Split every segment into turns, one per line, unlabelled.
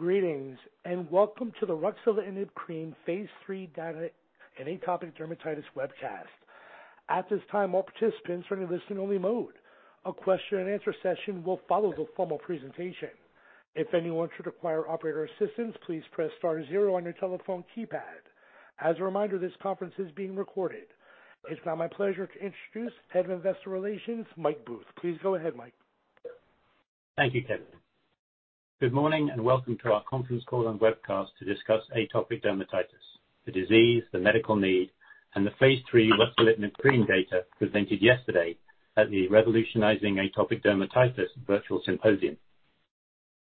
Greetings, welcome to the ruxolitinib cream phase III data in atopic dermatitis webcast. At this time, all participants are in listen only mode. A question-and-answer session will follow the formal presentation. If anyone should require operator assistance, please press star zero on your telephone keypad. As a reminder, this conference is being recorded. It's now my pleasure to introduce Head of Investor Relations, Mike Booth. Please go ahead, Mike.
Thank you, Kevin. Good morning and welcome to our conference call and webcast to discuss atopic dermatitis, the disease, the medical need, and the phase III ruxolitinib cream data presented yesterday at the Revolutionizing Atopic Dermatitis Virtual Symposium.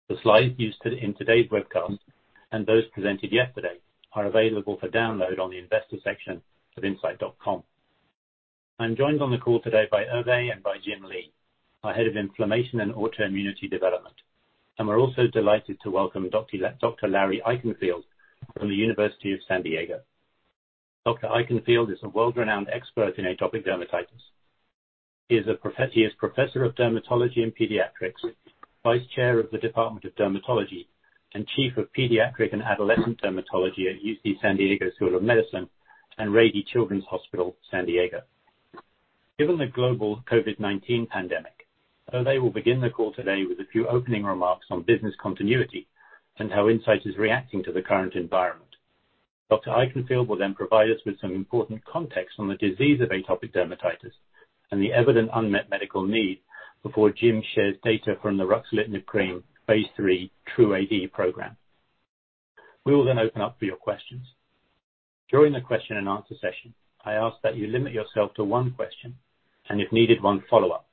The slides used in today's webcast and those presented yesterday are available for download on the Investor section of incyte.com. I'm joined on the call today by Hervé and by Jim Li, our Head of Inflammation and Autoimmunity Development. We're also delighted to welcome Dr. Larry Eichenfield from the University of California San Diego. Dr. Eichenfield is a world-renowned expert in atopic dermatitis. He is Professor of Dermatology and Pediatrics, Vice Chair of the Department of Dermatology, and Chief of Pediatric and Adolescent Dermatology at UC San Diego School of Medicine and Rady Children's Hospital San Diego. Given the global COVID-19 pandemic, Hervé will begin the call today with a few opening remarks on business continuity and how Incyte is reacting to the current environment. Dr. Eichenfield will provide us with some important context on the disease of atopic dermatitis and the evident unmet medical need before Jim shares data from the ruxolitinib cream phase III TRuE-AD program. We will open up for your questions. During the question-and-answer session, I ask that you limit yourself to one question and if needed, one follow-up,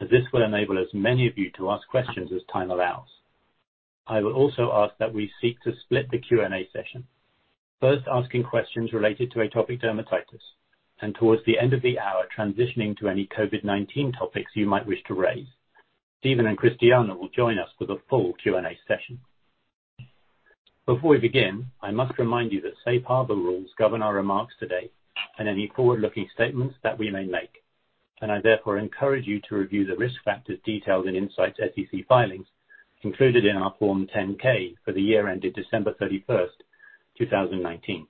as this will enable as many of you to ask questions as time allows. I will also ask that we seek to split the Q&A session. First asking questions related to atopic dermatitis, towards the end of the hour, transitioning to any COVID-19 topics you might wish to raise. Steven and Christiana will join us for the full Q&A session. Before we begin, I must remind you that safe harbor rules govern our remarks today and any forward-looking statements that we may make. I therefore encourage you to review the risk factors detailed in Incyte's SEC filings, included in our Form 10-K for the year ended December 31st, 2019.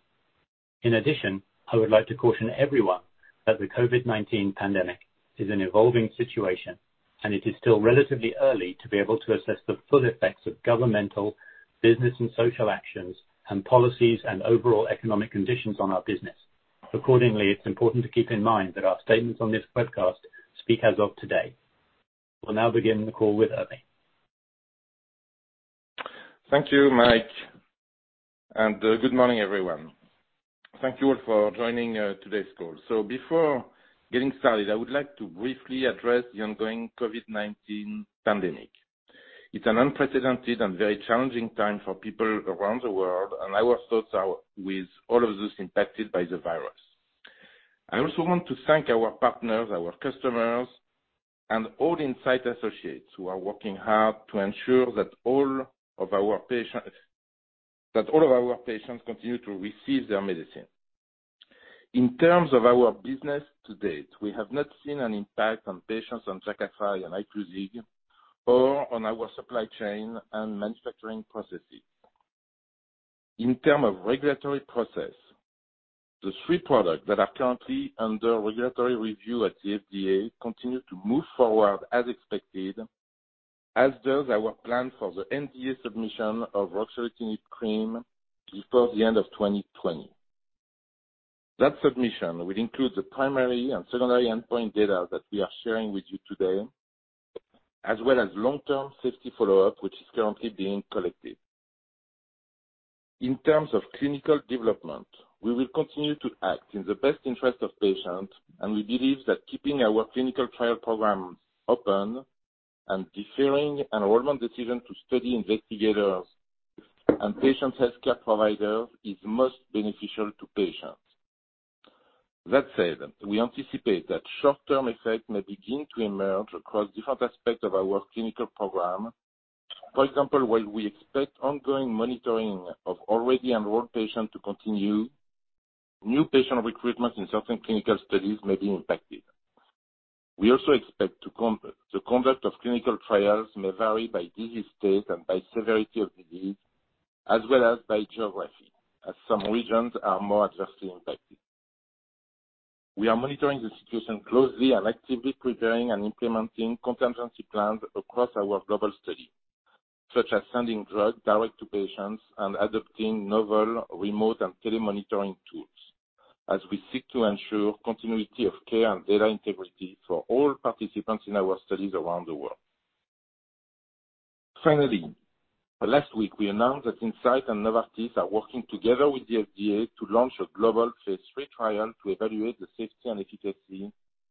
In addition, I would like to caution everyone that the COVID-19 pandemic is an evolving situation, and it is still relatively early to be able to assess the full effects of governmental, business, and social actions, and policies and overall economic conditions on our business. Accordingly, it's important to keep in mind that our statements on this webcast speak as of today. We'll now begin the call with Hervé.
Thank you, Mike, good morning, everyone. Thank you all for joining today's call. Before getting started, I would like to briefly address the ongoing COVID-19 pandemic. It's an unprecedented and very challenging time for people around the world, and our thoughts are with all of those impacted by the virus. I also want to thank our partners, our customers, and all Incyte associates who are working hard to ensure that all of our patients continue to receive their medicine. In terms of our business to date, we have not seen an impact on patients on Jakafi and Epclusa or on our supply chain and manufacturing processes. In term of regulatory process, the three products that are currently under regulatory review at the FDA continue to move forward as expected, as does our plan for the NDA submission of ruxolitinib cream before the end of 2020. That submission will include the primary and secondary endpoint data that we are sharing with you today, as well as long-term safety follow-up, which is currently being collected. In terms of clinical development, we will continue to act in the best interest of patients, and we believe that keeping our clinical trial programs open and deferring enrollment decisions to study investigators and patient healthcare providers is most beneficial to patients. That said, we anticipate that short-term effects may begin to emerge across different aspects of our clinical program. For example, while we expect ongoing monitoring of already enrolled patients to continue, new patient recruitment in certain clinical studies may be impacted. We also expect the conduct of clinical trials may vary by disease state and by severity of disease, as well as by geography, as some regions are more adversely impacted. We are monitoring the situation closely and actively preparing and implementing contingency plans across our global study, such as sending drugs direct to patients and adopting novel remote and telemonitoring tools as we seek to ensure continuity of care and data integrity for all participants in our studies around the world. Finally, last week we announced that Incyte and Novartis are working together with the FDA to launch a global phase III trial to evaluate the safety and efficacy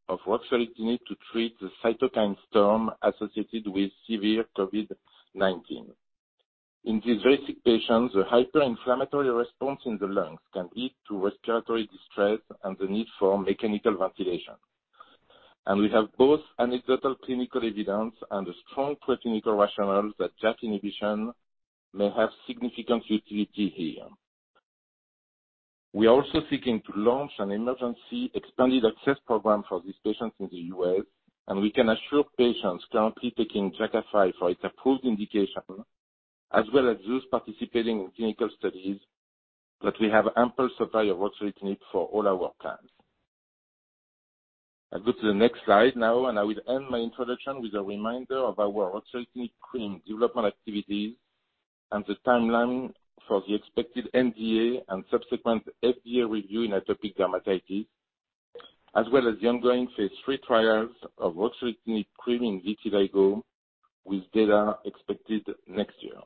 of ruxolitinib to treat the cytokine storm associated with severe COVID-19. In these very sick patients, a hyperinflammatory response in the lungs can lead to respiratory distress and the need for mechanical ventilation. We have both anecdotal clinical evidence and a strong preclinical rationale that JAK inhibition may have significant utility here. We are also seeking to launch an emergency expanded access program for these patients in the U.S., and we can assure patients currently taking Jakafi for its approved indication, as well as those participating in clinical studies, that we have ample supply of ruxolitinib for all our plans. I will end my introduction with a reminder of our ruxolitinib cream development activities and the timeline for the expected NDA and subsequent FDA review in atopic dermatitis, as well as the ongoing phase III trials of ruxolitinib cream in vitiligo with data expected next year.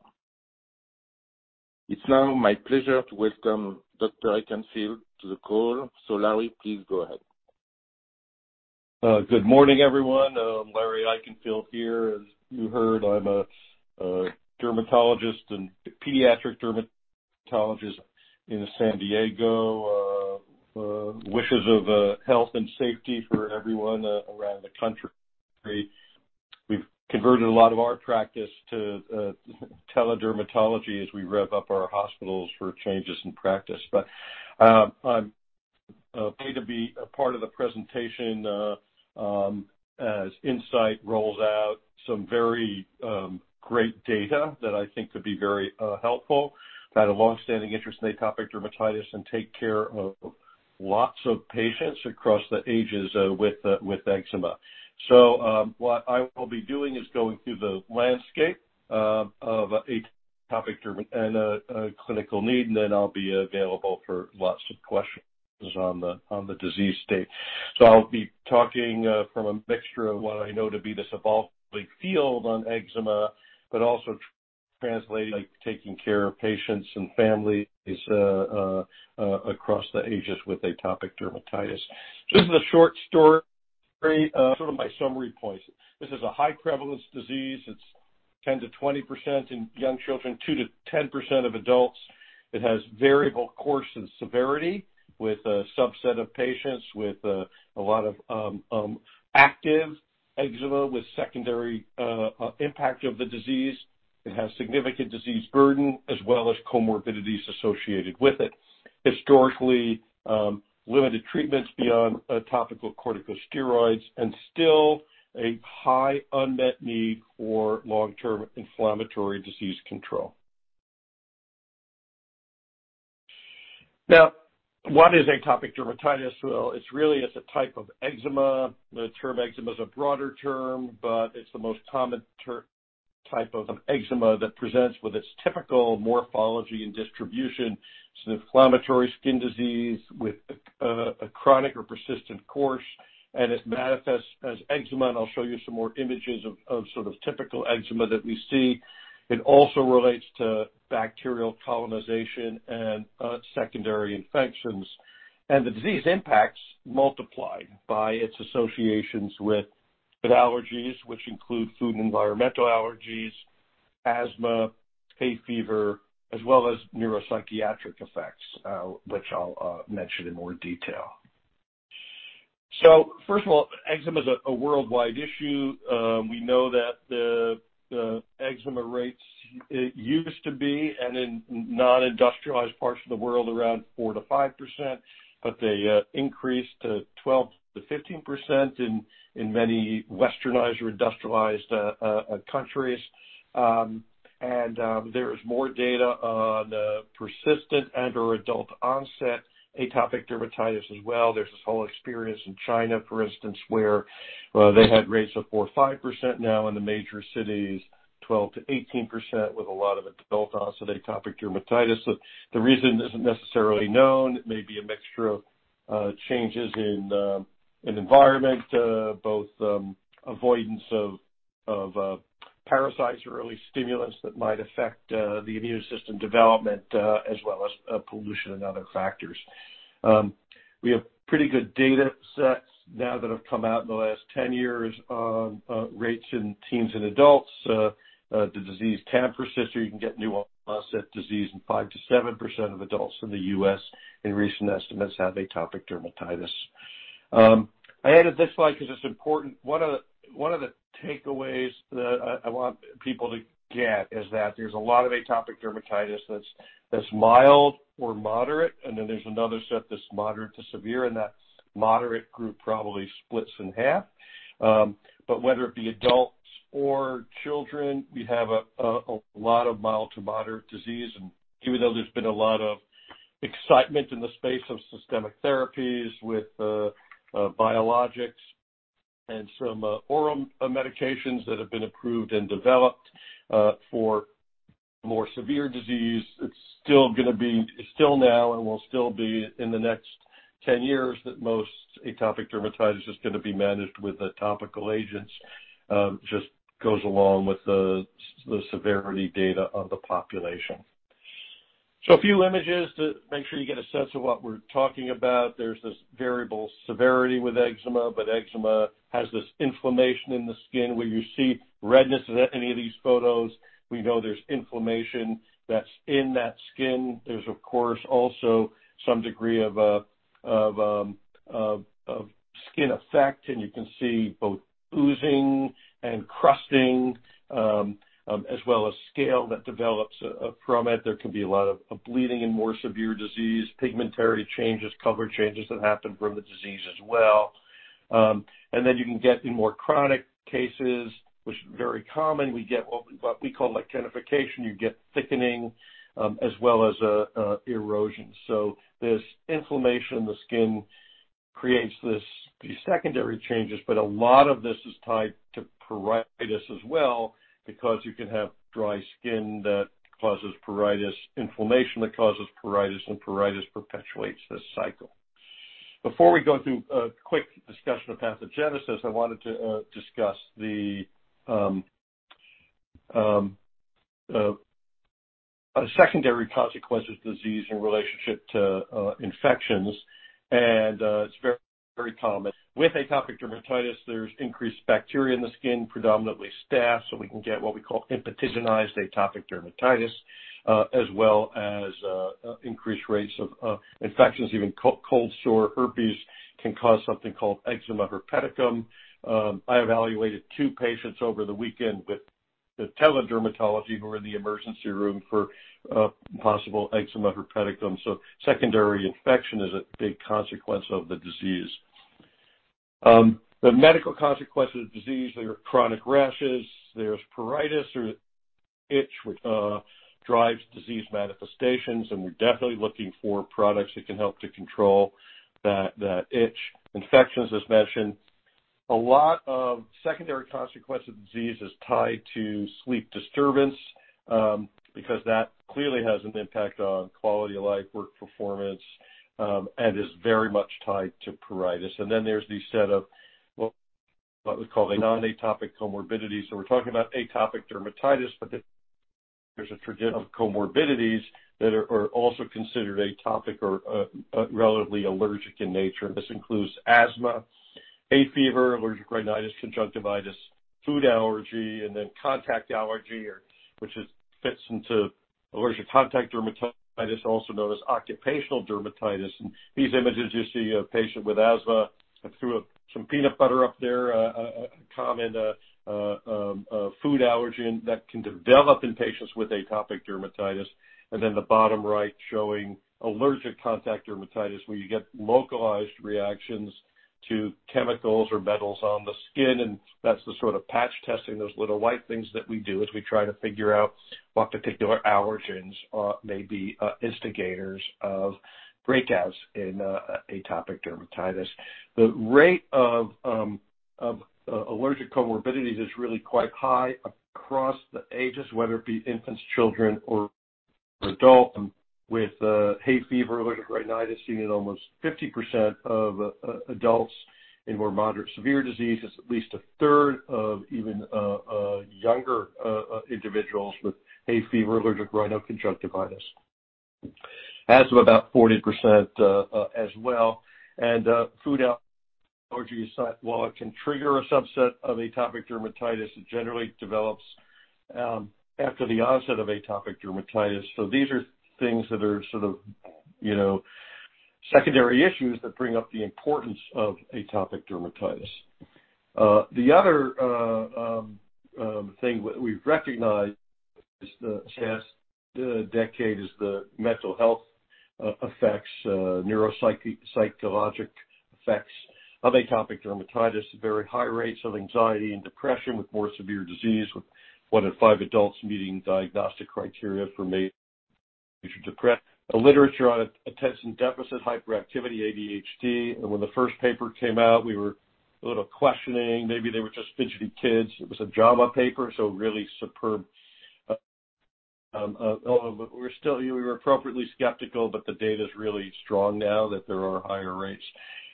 It's now my pleasure to welcome Dr. Eichenfield to the call. Larry, please go ahead.
Good morning, everyone. Larry Eichenfield here. As you heard, I'm a dermatologist and pediatric dermatologist in San Diego. Wishes of health and safety for everyone around the country. We've converted a lot of our practice to tele-dermatology as we rev up our hospitals for changes in practice. I'm pleased to be a part of the presentation as Incyte rolls out some very great data that I think could be very helpful. I've had a longstanding interest in atopic dermatitis and take care of lots of patients across the ages with eczema. What I will be doing is going through the landscape of atopic dermatitis and clinical need, and then I'll be available for lots of questions on the disease state. I'll be talking from a mixture of what I know to be this evolving field on eczema, but also translating, taking care of patients and families across the ages with atopic dermatitis. Just a short story, sort of my summary points. This is a high prevalence disease. It's 10%-20% in young children, 2%-10% of adults. It has variable course and severity with a subset of patients with a lot of active eczema with secondary impact of the disease. It has significant disease burden as well as comorbidities associated with it. Historically limited treatments beyond topical corticosteroids and still a high unmet need for long-term inflammatory disease control. What is atopic dermatitis? It's really, it's a type of eczema. The term eczema is a broader term, but it's the most common type of eczema that presents with its typical morphology and distribution. It's an inflammatory skin disease with a chronic or persistent course, and it manifests as eczema, and I'll show you some more images of typical eczema that we see. It also relates to bacterial colonization and secondary infections. The disease impacts multiplied by its associations with allergies, which include food and environmental allergies, asthma, hay fever, as well as neuropsychiatric effects, which I'll mention in more detail. First of all, eczema is a worldwide issue. We know that the eczema rates, it used to be and in non-industrialized parts of the world, around 4%-5%, but they increased to 12%-15% in many westernized or industrialized countries. There is more data on persistent and/or adult-onset atopic dermatitis as well. There's this whole experience in China, for instance, where they had rates of 4% or 5% now in the major cities, 12%-18% with a lot of adult-onset atopic dermatitis. The reason isn't necessarily known. It may be a mixture of changes in environment both avoidance of parasites or early stimulants that might affect the immune system development, as well as pollution and other factors. We have pretty good data sets now that have come out in the last 10 years on rates in teens and adults. The disease can persist, or you can get new onset disease in 5%-7% of adults in the U.S., and recent estimates have atopic dermatitis. I added this slide because it's important. One of the takeaways that I want people to get is that there's a lot of atopic dermatitis that's mild or moderate, and then there's another set that's moderate to severe, and that moderate group probably splits in half. Whether it be adults or children, we have a lot of mild to moderate disease. Even though there's been a lot of excitement in the space of systemic therapies with biologics and some oral medications that have been approved and developed for more severe disease, it's still now and will still be in the next 10 years, that most atopic dermatitis is going to be managed with topical agents. Just goes along with the severity data of the population. A few images to make sure you get a sense of what we're talking about. There's this variable severity with eczema, but eczema has this inflammation in the skin. Where you see redness in any of these photos, we know there's inflammation that's in that skin. There's, of course, also some degree of skin effect, and you can see both oozing and crusting, as well as scale that develops from it. There can be a lot of bleeding in more severe disease, pigmentary changes, color changes that happen from the disease as well. You can get, in more chronic cases, which are very common, we get what we call lichenification. You get thickening, as well as erosions. This inflammation in the skin creates these secondary changes, but a lot of this is tied to pruritus as well, because you can have dry skin that causes pruritus, inflammation that causes pruritus, and pruritus perpetuates this cycle. Before we go through a quick discussion of pathogenesis, I wanted to discuss the secondary consequences of the disease in relationship to infections. It's very common. With atopic dermatitis, there's increased bacteria in the skin, predominantly Staph, so we can get what we call impetiginized atopic dermatitis, as well as increased rates of infections. Even cold sore herpes can cause something called eczema herpeticum. I evaluated two patients over the weekend with the teledermatology who were in the emergency room for possible eczema herpeticum. Secondary infection is a big consequence of the disease. The medical consequences of disease, there are chronic rashes, there's pruritus, or itch, which drives disease manifestations, and we're definitely looking for products that can help to control that itch. Infections, as mentioned. A lot of secondary consequence of the disease is tied to sleep disturbance, because that clearly has an impact on quality of life, work performance, and is very much tied to pruritus. Then there's the set of what we call the non-atopic comorbidities. We're talking about atopic dermatitis, but there's a tradition of comorbidities that are also considered atopic or relatively allergic in nature. This includes asthma, hay fever, allergic rhinitis, conjunctivitis, food allergy, and then contact allergy, which fits into allergic contact dermatitis, also known as occupational dermatitis. These images, you see a patient with asthma. I threw some peanut butter up there, a common food allergen that can develop in patients with atopic dermatitis. The bottom right showing allergic contact dermatitis, where you get localized reactions to chemicals or metals on the skin, and that's the sort of patch testing, those little white things that we do as we try to figure out what particular allergens may be instigators of breakouts in atopic dermatitis. The rate of allergic comorbidities is really quite high across the ages, whether it be infants, children, or adults with hay fever, allergic rhinitis, seen in almost 50% of adults in more moderate severe disease. It's at least a third of even younger individuals with hay fever, allergic rhinoconjunctivitis. Asthma, about 40% as well. Food allergies, while it can trigger a subset of atopic dermatitis, it generally develops after the onset of atopic dermatitis. These are things that are sort of secondary issues that bring up the importance of atopic dermatitis. The other thing that we've recognized in the past decade is the mental health effects, neuropsychologic effects of atopic dermatitis. Very high rates of anxiety and depression with more severe disease, with one in five adults meeting diagnostic criteria for major depression. The literature on attention deficit hyperactivity, ADHD, and when the first paper came out, we were a little questioning. Maybe they were just fidgety kids. It was a JAMA paper, really superb. Although we were appropriately skeptical, the data's really strong now that there are higher rates.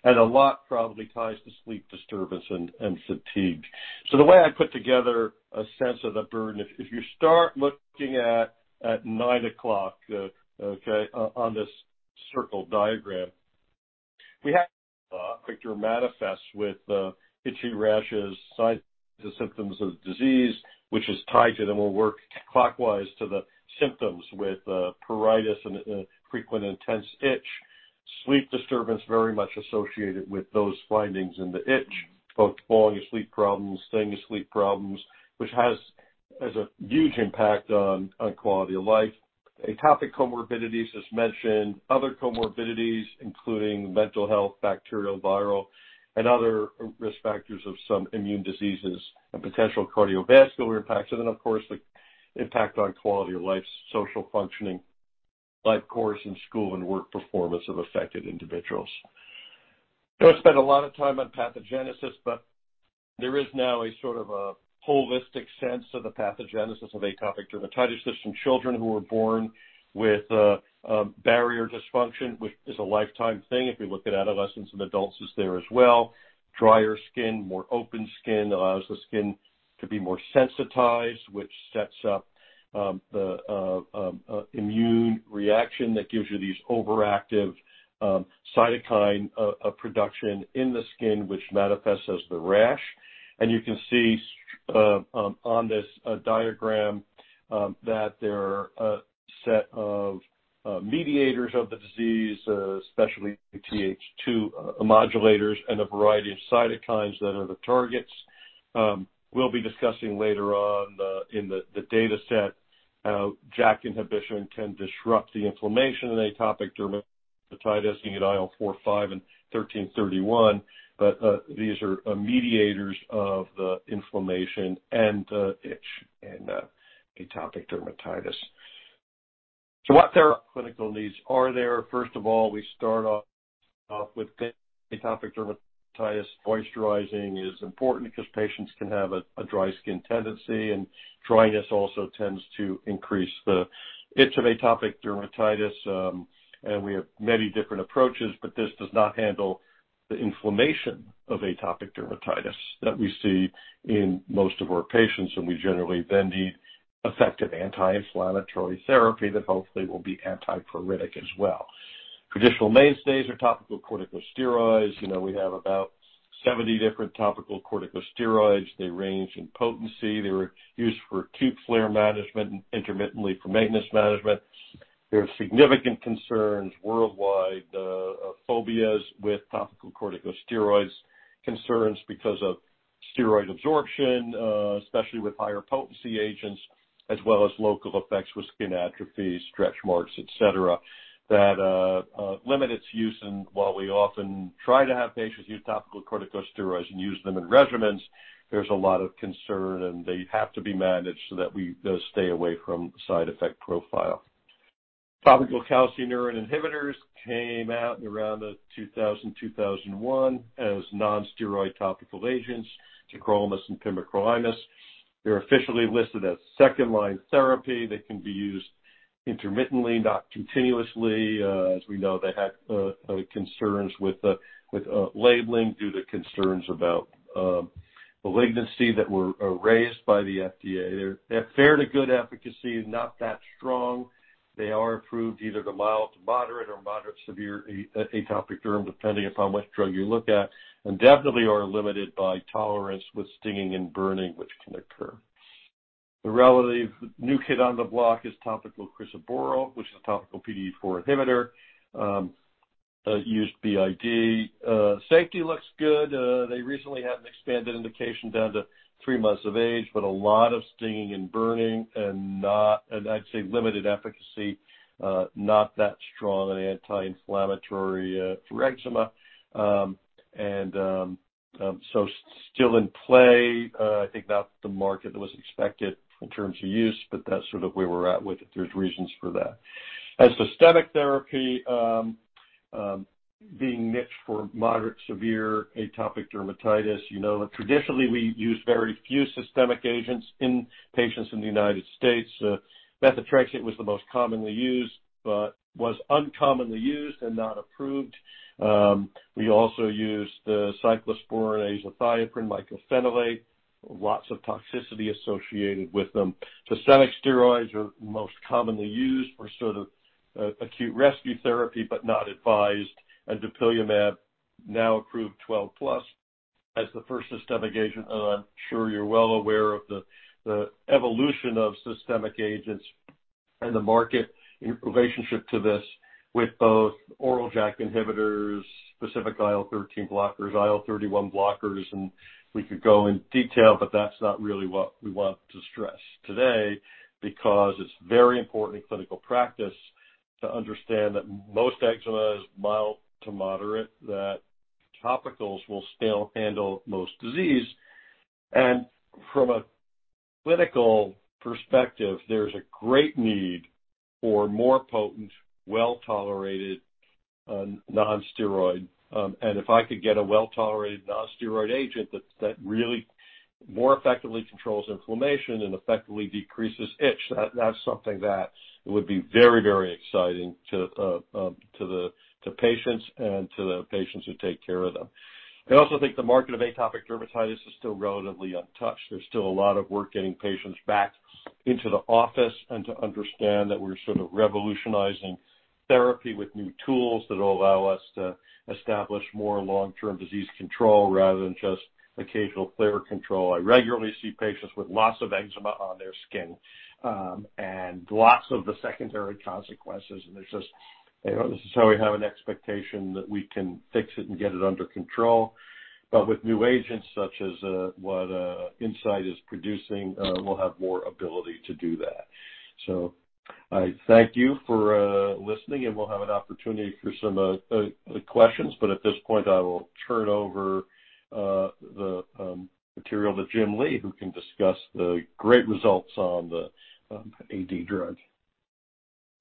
A lot probably ties to sleep disturbance and fatigue. The way I put together a sense of the burden, if you start looking at nine o'clock on this circle diagram, we have atopic dermatitis with itchy rashes, signs, and symptoms of disease, which is tied to, then we'll work clockwise to the symptoms with pruritus and frequent intense itch. Sleep disturbance very much associated with those findings in the itch, both falling asleep problems, staying asleep problems, which has a huge impact on quality of life. Atopic comorbidities, as mentioned, other comorbidities, including mental health, bacterial, viral, and other risk factors of some immune diseases and potential cardiovascular impacts. Of course, the impact on quality of life, social functioning, life course, and school and work performance of affected individuals. Don't spend a lot of time on pathogenesis, but there is now a sort of a holistic sense of the pathogenesis of atopic dermatitis. There's some children who were born with barrier dysfunction, which is a lifetime thing. If you look at adolescents and adults, it's there as well. Drier skin, more open skin allows the skin to be more sensitized, which sets up the immune reaction that gives you these overactive cytokine production in the skin, which manifests as the rash. You can see on this diagram that there are a set of mediators of the disease, especially Th2 modulators and a variety of cytokines that are the targets. We'll be discussing later on in the data set how JAK inhibition can disrupt the inflammation in atopic dermatitis, looking at IL-4, 5, and 13, 31. These are mediators of the inflammation and the itch in atopic dermatitis. What therapy clinical needs are there? First of all, we start off with atopic dermatitis. Moisturizing is important because patients can have a dry skin tendency. Dryness also tends to increase the itch of atopic dermatitis. We have many different approaches, but this does not handle the inflammation of atopic dermatitis that we see in most of our patients. We generally need effective anti-inflammatory therapy that hopefully will be antipruritic as well. Traditional mainstays are topical corticosteroids. We have about 70 different topical corticosteroids. They range in potency. They're used for acute flare management and intermittently for maintenance management. There are significant concerns worldwide of phobias with topical corticosteroids, concerns because of steroid absorption, especially with higher potency agents, as well as local effects with skin atrophy, stretch marks, et cetera, that limit its use. While we often try to have patients use topical corticosteroids and use them in regimens, there's a lot of concern, and they have to be managed so that we stay away from the side effect profile. Topical calcineurin inhibitors came out around 2000, 2001 as non-steroid topical agents, tacrolimus and pimecrolimus. They're officially listed as second-line therapy. They can be used intermittently, not continuously. As we know, they had concerns with labeling due to concerns about malignancy that were raised by the FDA. They're fair to good efficacy, not that strong. They are approved either to mild to moderate or moderate to severe atopic derm, depending upon which drug you look at, and definitely are limited by tolerance with stinging and burning, which can occur. The relatively new kid on the block is topical crisaborole, which is a topical PDE4 inhibitor, used BID. Safety looks good. They recently had an expanded indication down to three months of age, but a lot of stinging and burning and, I'd say, limited efficacy. Not that strong an anti-inflammatory for eczema. Still in play. I think not the market that was expected in terms of use, but that's sort of where we're at with it. There's reasons for that. As systemic therapy being niched for moderate, severe atopic dermatitis. Traditionally, we use very few systemic agents in patients in the U.S. methotrexate was the most commonly used but was uncommonly used and not approved. We also use the cyclosporine, azathioprine, mycophenolate. Lots of toxicity associated with them. Systemic steroids are most commonly used for acute rescue therapy but not advised. dupilumab, now approved 12+ as the first systemic agent. I'm sure you're well aware of the evolution of systemic agents in the market in relationship to this with both oral JAK inhibitors, specific IL-13 blockers, IL-31 blockers, and we could go in detail, but that's not really what we want to stress today because it's very important in clinical practice to understand that most eczema is mild to moderate, that topicals will still handle most disease. From a clinical perspective, there's a great need for more potent, well-tolerated non-steroid. If I could get a well-tolerated non-steroid agent that really more effectively controls inflammation and effectively decreases itch, that's something that would be very exciting to patients and to the patients who take care of them. I also think the market of atopic dermatitis is still relatively untouched. There's still a lot of work getting patients back into the office and to understand that we're sort of revolutionizing therapy with new tools that'll allow us to establish more long-term disease control rather than just occasional flare control. I regularly see patients with lots of eczema on their skin and lots of the secondary consequences, and there's this is how we have an expectation that we can fix it and get it under control. With new agents such as what Incyte is producing, we'll have more ability to do that. I thank you for listening, and we'll have an opportunity for some questions. At this point, I will turn over the material to Jim Li, who can discuss the great results on the AD drug.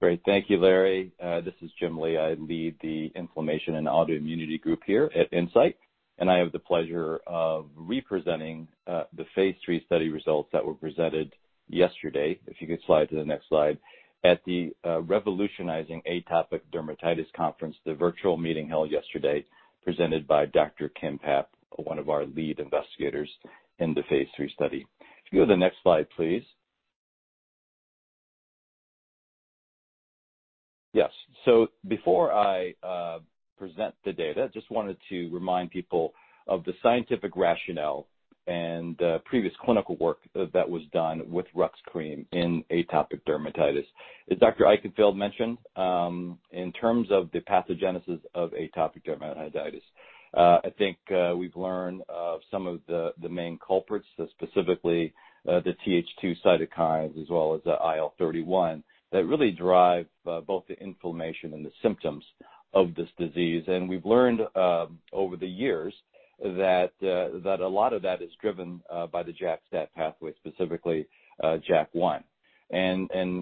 Great. Thank you, Larry. This is Jim Li. I lead the inflammation and autoimmunity group here at Incyte, and I have the pleasure of representing the phase III study results that were presented yesterday, if you could slide to the next slide, at the Revolutionizing Atopic Dermatitis Conference, the virtual meeting held yesterday, presented by Dr. Kim Papp, one of our lead investigators in the phase III study. If you go to the next slide, please. Yes. Before I present the data, just wanted to remind people of the scientific rationale and the previous clinical work that was done with rux cream in atopic dermatitis. As Dr. Eichenfield mentioned, in terms of the pathogenesis of atopic dermatitis, I think we've learned of some of the main culprits, specifically the Th2 cytokines as well as the IL-31, that really drive both the inflammation and the symptoms of this disease. We've learned over the years that a lot of that is driven by the JAK-STAT pathway, specifically JAK1.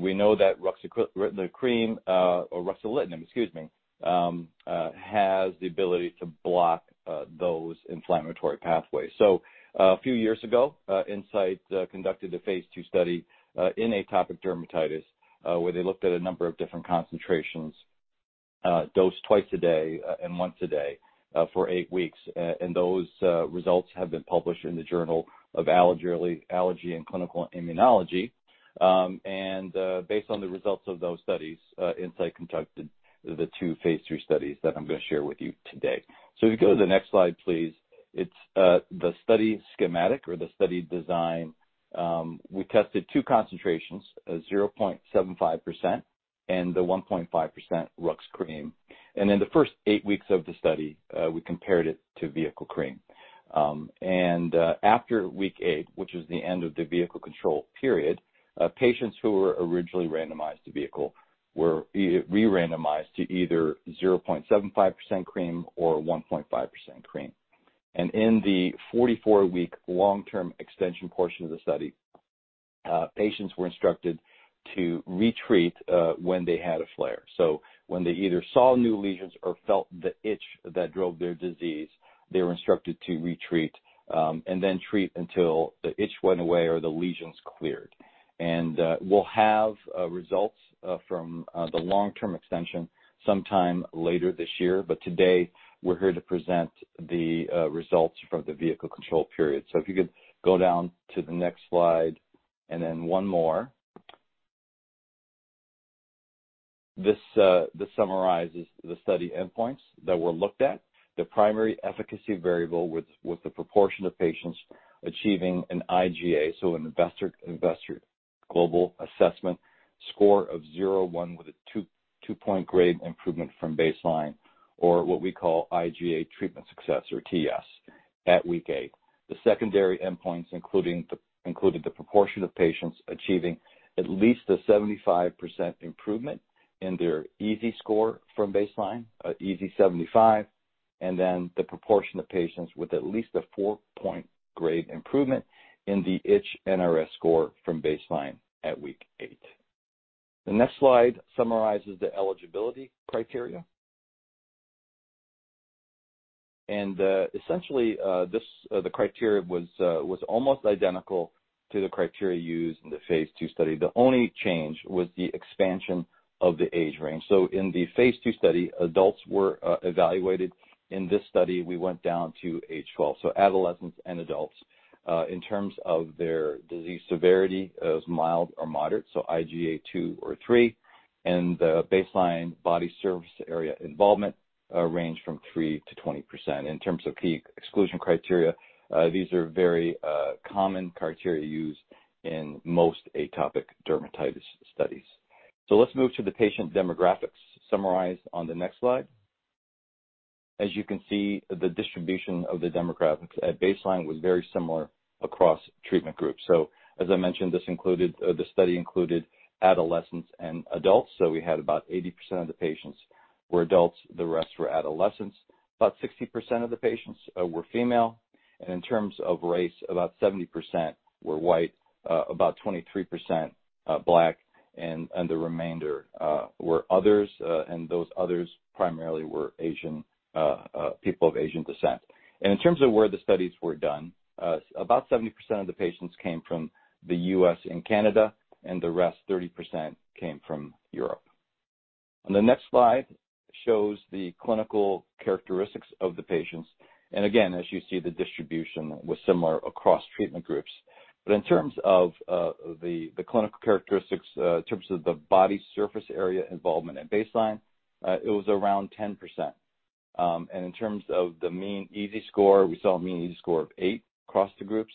We know that the cream, or ruxolitinib, excuse me, has the ability to block those inflammatory pathways. A few years ago, Incyte conducted a phase II study in atopic dermatitis, where they looked at a number of different concentrations dosed twice a day and once a day for eight weeks. Those results have been published in The Journal of Allergy and Clinical Immunology. Based on the results of those studies, Incyte conducted the two phase III studies that I'm going to share with you today. If you go to the next slide, please. It's the study schematic or the study design. We tested two concentrations, 0.75% and the 1.5% rux cream. In the first eight weeks of the study, we compared it to vehicle cream. After week eight, which was the end of the vehicle control period, patients who were originally randomized to vehicle were re-randomized to either 0.75% cream or 1.5% cream. In the 44-week long-term extension portion of the study, patients were instructed to retreat when they had a flare. When they either saw new lesions or felt the itch that drove their disease, they were instructed to retreat and then treat until the itch went away or the lesions cleared. We'll have results from the long-term extension sometime later this year. Today, we're here to present the results from the vehicle control period. If you could go down to the next slide, and then one more. This summarizes the study endpoints that were looked at. The primary efficacy variable was the proportion of patients achieving an IGA, so an Investigator Global Assessment score of 0 or 1 with a two-point grade improvement from baseline, or what we call IGA treatment success, or TS, at week eight. The secondary endpoints included the proportion of patients achieving at least a 75% improvement in their EASI score from baseline, EASI-75, the proportion of patients with at least a four-point grade improvement in the itch NRS score from baseline at week eight. The next slide summarizes the eligibility criteria. Essentially, the criteria was almost identical to the criteria used in the phase II study. The only change was the expansion of the age range. In the phase II study, adults were evaluated. In this study, we went down to age 12. Adolescents and adults. In terms of their disease severity, it was mild or moderate, so IGA 2 or 3, and the baseline body surface area involvement ranged from 3%-20%. In terms of key exclusion criteria, these are very common criteria used in most atopic dermatitis studies. Let's move to the patient demographics summarized on the next slide. As you can see, the distribution of the demographics at baseline was very similar across treatment groups. As I mentioned, the study included adolescents and adults. We had about 80% of the patients were adults, the rest were adolescents. About 60% of the patients were female. In terms of race, about 70% were white, about 23% Black, and the remainder were others, and those others primarily were people of Asian descent. In terms of where the studies were done, about 70% of the patients came from the U.S. and Canada, and the rest, 30%, came from Europe. On the next slide shows the clinical characteristics of the patients. Again, as you see, the distribution was similar across treatment groups. In terms of the clinical characteristics, in terms of the body surface area involvement at baseline, it was around 10%. In terms of the mean EASI score, we saw a mean EASI score of 8 across the groups.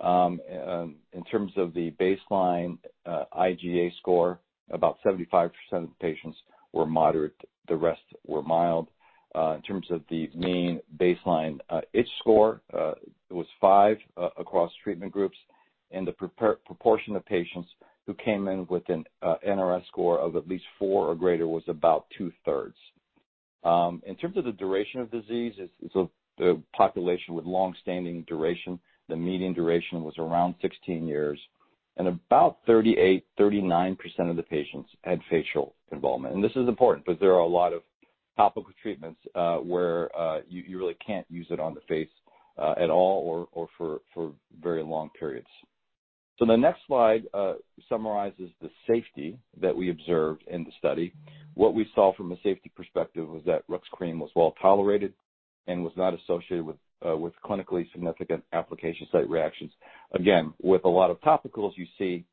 In terms of the baseline IGA score, about 75% of the patients were moderate, the rest were mild. In terms of the mean baseline itch score, it was 5 across treatment groups, and the proportion of patients who came in with an NRS score of at least four or greater was about 2/3. In terms of the duration of disease, it's a population with longstanding duration. The median duration was around 16 years, about 38%-39% of the patients had facial involvement. This is important because there are a lot of topical treatments where you really can't use it on the face at all or for very long periods. The next slide summarizes the safety that we observed in the study. What we saw from a safety perspective was that rux cream was well-tolerated and was not associated with clinically significant application site reactions. Again, with a lot of topicals, you see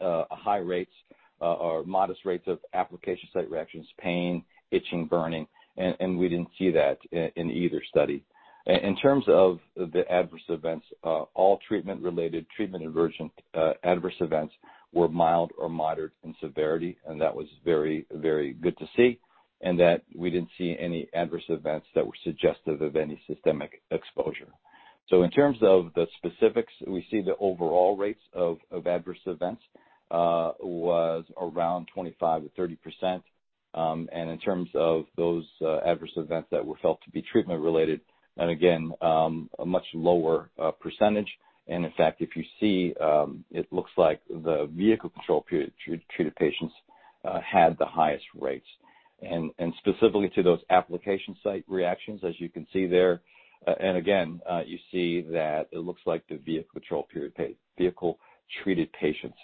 high rates or modest rates of application site reactions, pain, itching, burning, and we didn't see that in either study. In terms of the adverse events, all treatment related, treatment emergent adverse events were mild or moderate in severity. That was very good to see. We didn't see any adverse events that were suggestive of any systemic exposure. In terms of the specifics, we see the overall rates of adverse events was around 25%-30%. In terms of those adverse events that were felt to be treatment related, and again, a much lower percentage. In fact, if you see, it looks like the vehicle control treated patients had the highest rates. Specifically to those application site reactions, as you can see there, and again, you see that it looks like the vehicle treated patients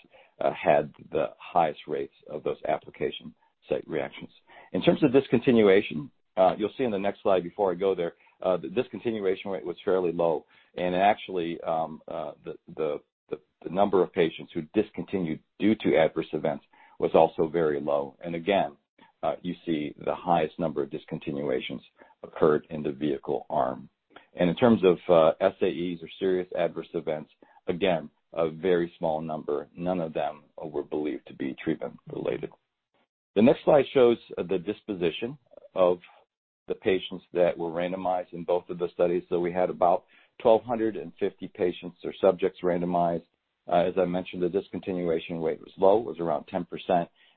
had the highest rates of those application site reactions. In terms of discontinuation, you'll see in the next slide before I go there, the discontinuation rate was fairly low. Actually, the number of patients who discontinued due to adverse events was also very low. Again, you see the highest number of discontinuations occurred in the vehicle arm. In terms of SAEs or serious adverse events, again, a very small number. None of them were believed to be treatment related. The next slide shows the disposition of the patients that were randomized in both of the studies. We had about 1,250 patients or subjects randomized. As I mentioned, the discontinuation rate was low, it was around 10%.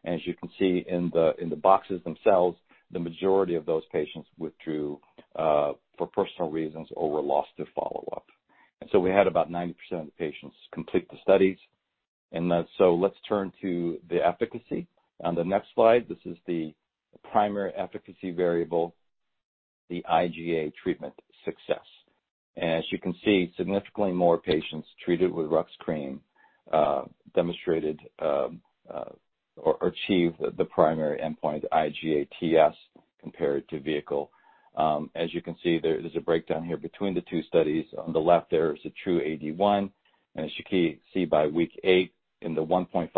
As you can see in the boxes themselves, the majority of those patients withdrew for personal reasons or were lost to follow-up. We had about 90% of patients complete the studies. Let's turn to the efficacy. On the next slide, this is the primary efficacy variable, the IGA treatment success. Significantly more patients treated with RUX cream demonstrated or achieved the primary endpoint, the IGATS, compared to vehicle. As you can see, there's a breakdown here between the two studies. On the left there is a TRuE-AD1. As you can see by week eight in the 1.5%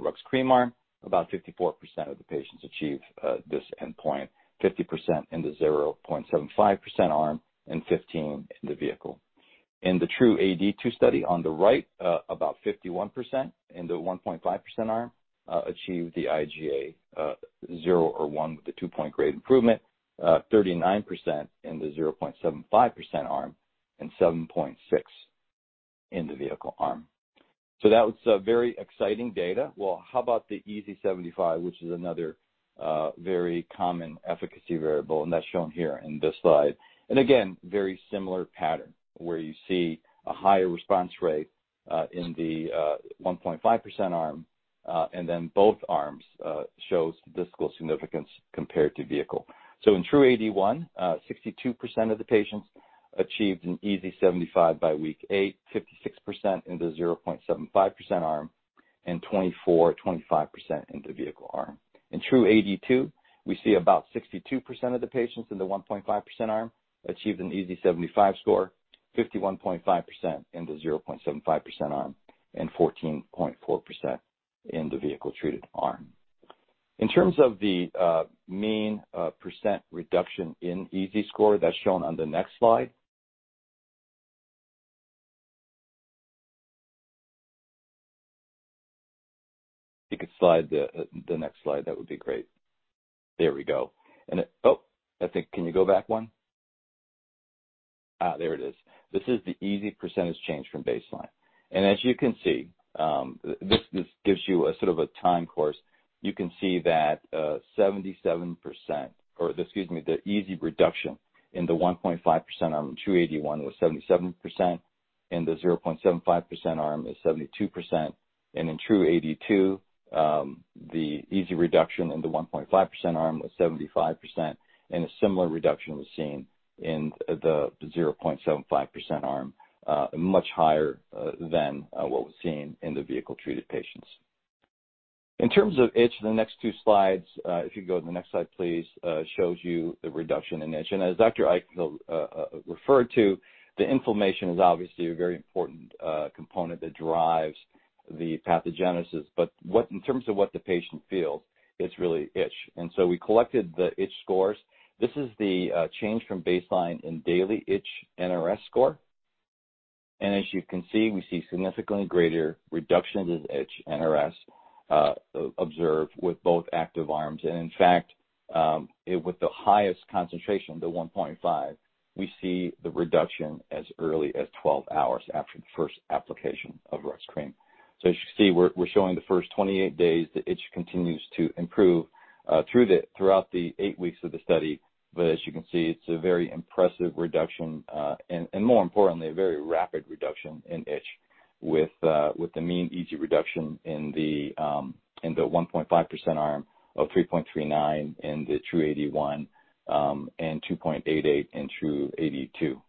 RUX cream arm, about 54% of the patients achieve this endpoint, 50% in the 0.75% arm, and 15 in the vehicle. In the TRuE-AD2 study on the right, about 51% in the 1.5% arm achieved the IGA 0 or 1 with the two-point grade improvement, 39% in the 0.75% arm, and 7.6 in the vehicle arm. That was very exciting data. Well, how about the EASI-75, which is another very common efficacy variable. That's shown here in this slide. Again, very similar pattern where you see a higher response rate in the 1.5% arm and then both arms shows statistical significance compared to vehicle. In TRuE-AD1, 62% of the patients achieved an EASI-75 by week eight, 56% in the 0.75% arm, and 24 or 25% in the vehicle arm. In TRuE-AD2, we see about 62% of the patients in the 1.5% arm achieved an EASI-75 score, 51.5% in the 0.75% arm, and 14.4% in the vehicle-treated arm. In terms of the mean % reduction in EASI score, that's shown on the next slide. You could slide the next slide, that would be great. There we go. I think, can you go back one? There it is. This is the EASI % change from baseline. As you can see, this gives you a sort of a time course. You can see that 77%, or excuse me, the EASI reduction in the 1.5% arm in TRuE-AD1 was 77%, in the 0.75% arm is 72%, and in TRuE-AD2, the EASI reduction in the 1.5% arm was 75%, and a similar reduction was seen in the 0.75% arm, much higher than what was seen in the vehicle-treated patients. In terms of itch, the next two slides, if you go to the next slide, please, shows you the reduction in itch. As Dr. Eichenfield referred to, the inflammation is obviously a very important component that drives the pathogenesis. In terms of what the patient feels, it's really itch. We collected the itch scores. This is the change from baseline in daily itch NRS score. As you can see, we see significantly greater reductions in itch NRS observed with both active arms. In fact, with the highest concentration, the 1.5, we see the reduction as early as 12 hours after the first application of rux cream. As you see, we're showing the first 28 days, the itch continues to improve throughout the eight weeks of the study, but as you can see, it's a very impressive reduction, and more importantly, a very rapid reduction in itch with the mean EASI reduction in the 1.5% arm of 3.39 in the TRuE-AD1, and 2.88 in TRuE-AD2.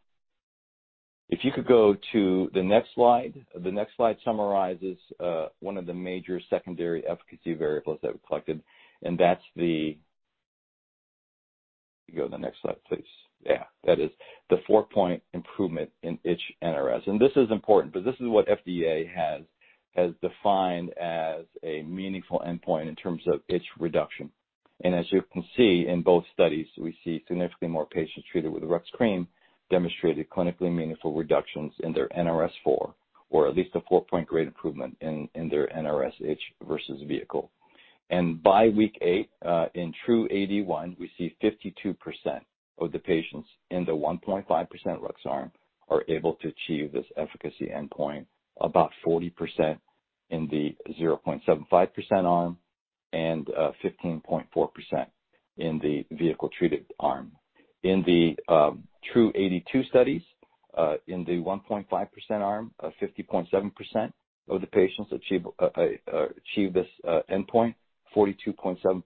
If you could go to the next slide. The next slide summarizes one of the major secondary efficacy variables that we collected, and that's the four-point improvement in itch NRS. This is important because this is what FDA has defined as a meaningful endpoint in terms of itch reduction. As you can see, in both studies, we see significantly more patients treated with ruxolitinib cream demonstrated clinically meaningful reductions in their NRS4, or at least a four-point grade improvement in their NRS itch versus vehicle. By week eight, in TRuE-AD1, we see 52% of the patients in the 1.5% RUX arm are able to achieve this efficacy endpoint, about 40% in the 0.75% arm, and 15.4% in the vehicle-treated arm. In the TRuE-AD2 studies, in the 1.5% arm, 50.7% of the patients achieved this endpoint, 42.7%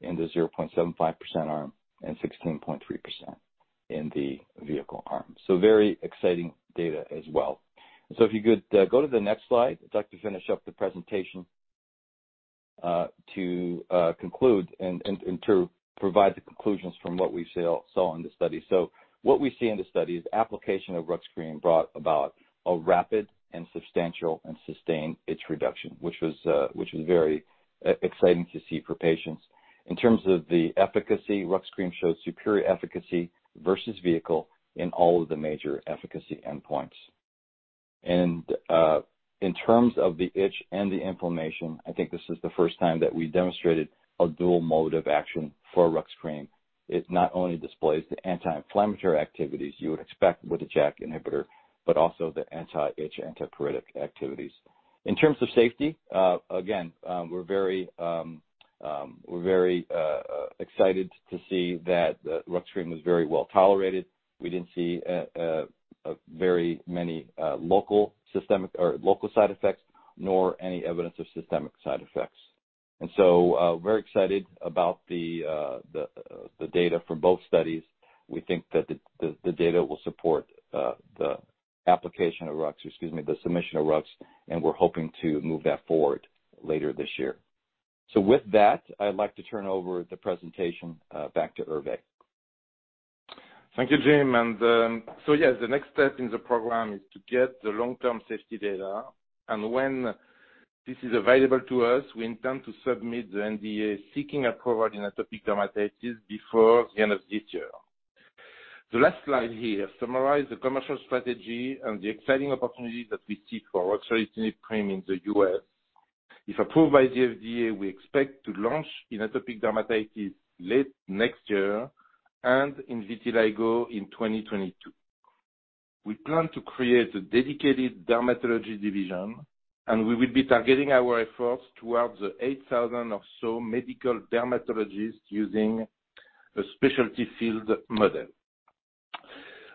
in the 0.75% arm, and 16.3% in the vehicle arm. Very exciting data as well. If you could go to the next slide, I'd like to finish up the presentation to conclude and to provide the conclusions from what we saw in this study. What we see in this study is application of RUX cream brought about a rapid and substantial and sustained itch reduction, which was very exciting to see for patients. In terms of the efficacy, RUX cream showed superior efficacy versus vehicle in all of the major efficacy endpoints. In terms of the itch and the inflammation, I think this is the first time that we demonstrated a dual mode of action for RUX cream. It not only displays the anti-inflammatory activities you would expect with a JAK inhibitor, but also the anti-itch, antipruritic activities. In terms of safety, again, we're very excited to see that RUX cream was very well-tolerated. We didn't see very many local side effects, nor any evidence of systemic side effects. Very excited about the data from both studies. We think that the data will support the application of RUX, excuse me, the submission of RUX, and we're hoping to move that forward later this year. I'd like to turn over the presentation back to Hervé.
Thank you, Jim. Yes, the next step in the program is to get the long-term safety data. When this is available to us, we intend to submit the NDA seeking approval in atopic dermatitis before the end of this year. The last slide here summarizes the commercial strategy and the exciting opportunities that we see for ruxolitinib cream in the U.S. If approved by the FDA, we expect to launch in atopic dermatitis late next year and in vitiligo in 2022. We plan to create a dedicated dermatology division. We will be targeting our efforts towards the 8,000 or so medical dermatologists using a specialty field model.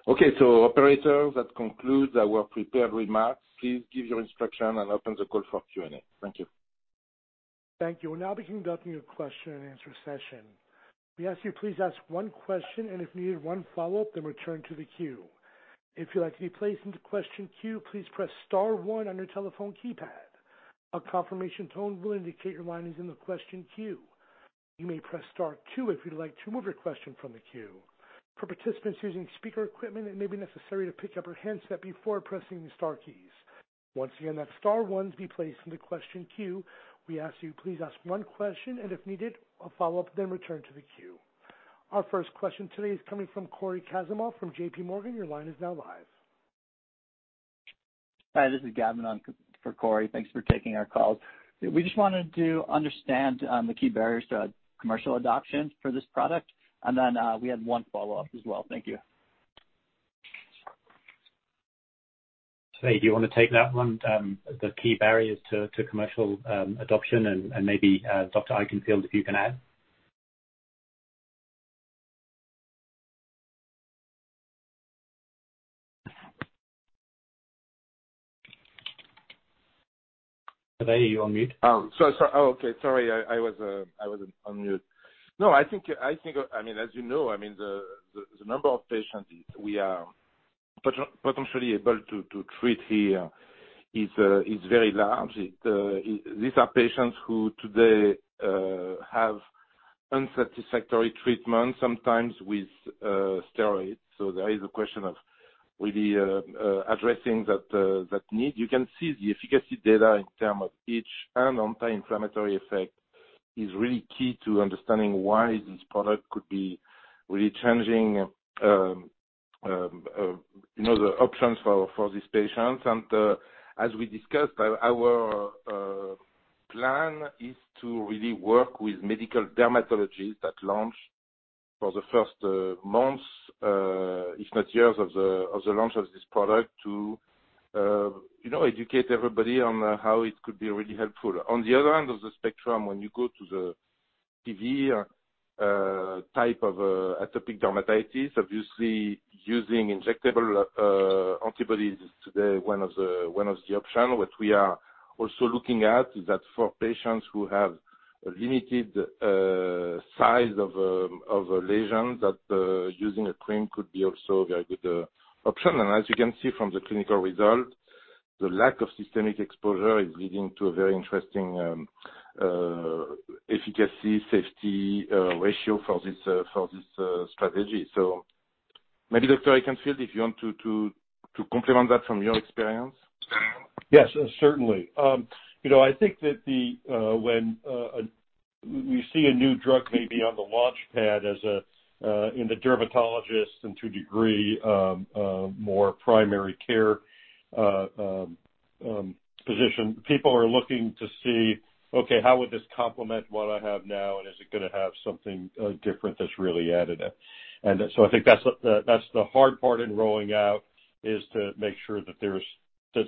Okay, operator, that concludes our prepared remarks. Please give your instruction and open the call for Q&A. Thank you.
Thank you. We'll now be conducting a question-and-answer session. We ask you please ask one question and, if needed, one follow-up, then return to the queue. If you'd like to be placed into question queue, please press star one on your telephone keypad. A confirmation tone will indicate your line is in the question queue. You may press star two if you'd like to remove your question from the queue. For participants using speaker equipment, it may be necessary to pick up your handset before pressing the star keys. Once again, that's star one to be placed in the question queue. We ask you please ask one question and, if needed, a follow-up, then return to the queue. Our first question today is coming from Cory Kasimov from JPMorgan. Your line is now live.
Hi, this is Gavin for Cory. Thanks for taking our call. We just wanted to understand the key barriers to commercial adoption for this product. We had one follow-up as well. Thank you.
Hervé, do you want to take that one, the key barriers to commercial adoption, and maybe Dr. Eichenfield, if you can add? Hervé, are you on mute?
Oh, okay. Sorry, I was on mute. As you know, the number of patients we are potentially able to treat here is very large. These are patients who today have unsatisfactory treatment, sometimes with steroids. There is a question of really addressing that need. You can see the efficacy data in terms of itch and anti-inflammatory effect is really key to understanding why this product could be really changing the options for these patients. As we discussed, our plan is to really work with medical dermatologists at launch for the first months, if not years, of the launch of this product to educate everybody on how it could be really helpful. On the other end of the spectrum, when you go to the severe type of atopic dermatitis, obviously using injectable antibodies is today one of the options. What we are also looking at is that for patients who have a limited size of a lesion, that using a cream could be also a very good option. As you can see from the clinical result. The lack of systemic exposure is leading to a very interesting efficacy safety ratio for this strategy. Maybe Dr. Eichenfield, if you want to complement that from your experience.
Yes, certainly. I think that when we see a new drug maybe on the launchpad in the dermatologists and to a degree, more primary care physician, people are looking to see, okay, how would this complement what I have now? Is it going to have something different that's really additive? I think that's the hard part in rolling out is to make sure that a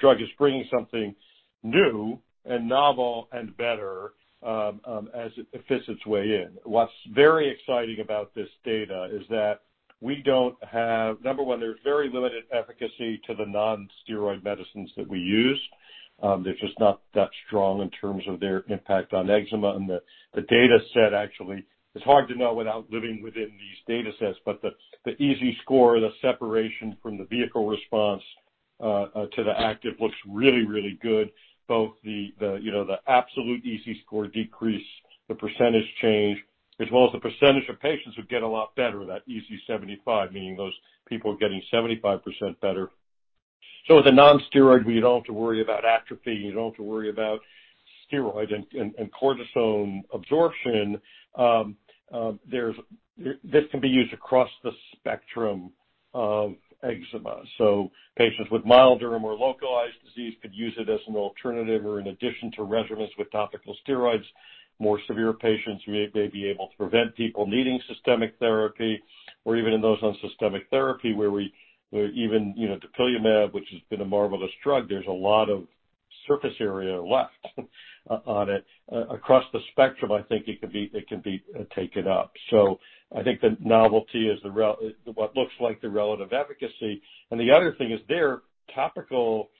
drug is bringing something new and novel and better as it fits its way in. What's very exciting about this data is that we don't have, number one, there's very limited efficacy to the non-steroid medicines that we use. They're just not that strong in terms of their impact on eczema and the data set actually, it's hard to know without living within these data sets, but the EASI score, the separation from the vehicle response to the active looks really, really good. Both the absolute EASI score decrease, the % change, as well as the % of patients who get a lot better, that EASI-75, meaning those people are getting 75% better. With a non-steroid, we don't have to worry about atrophy. You don't have to worry about steroid and cortisone absorption. This can be used across the spectrum of eczema. Patients with milder and more localized disease could use it as an alternative or in addition to regimens with topical steroids. More severe patients, we may be able to prevent people needing systemic therapy or even in those on systemic therapy where even dupilumab, which has been a marvelous drug, there's a lot of surface area left on it. Across the spectrum, I think it can be taken up. I think the novelty is what looks like the relative efficacy. The other thing is their topical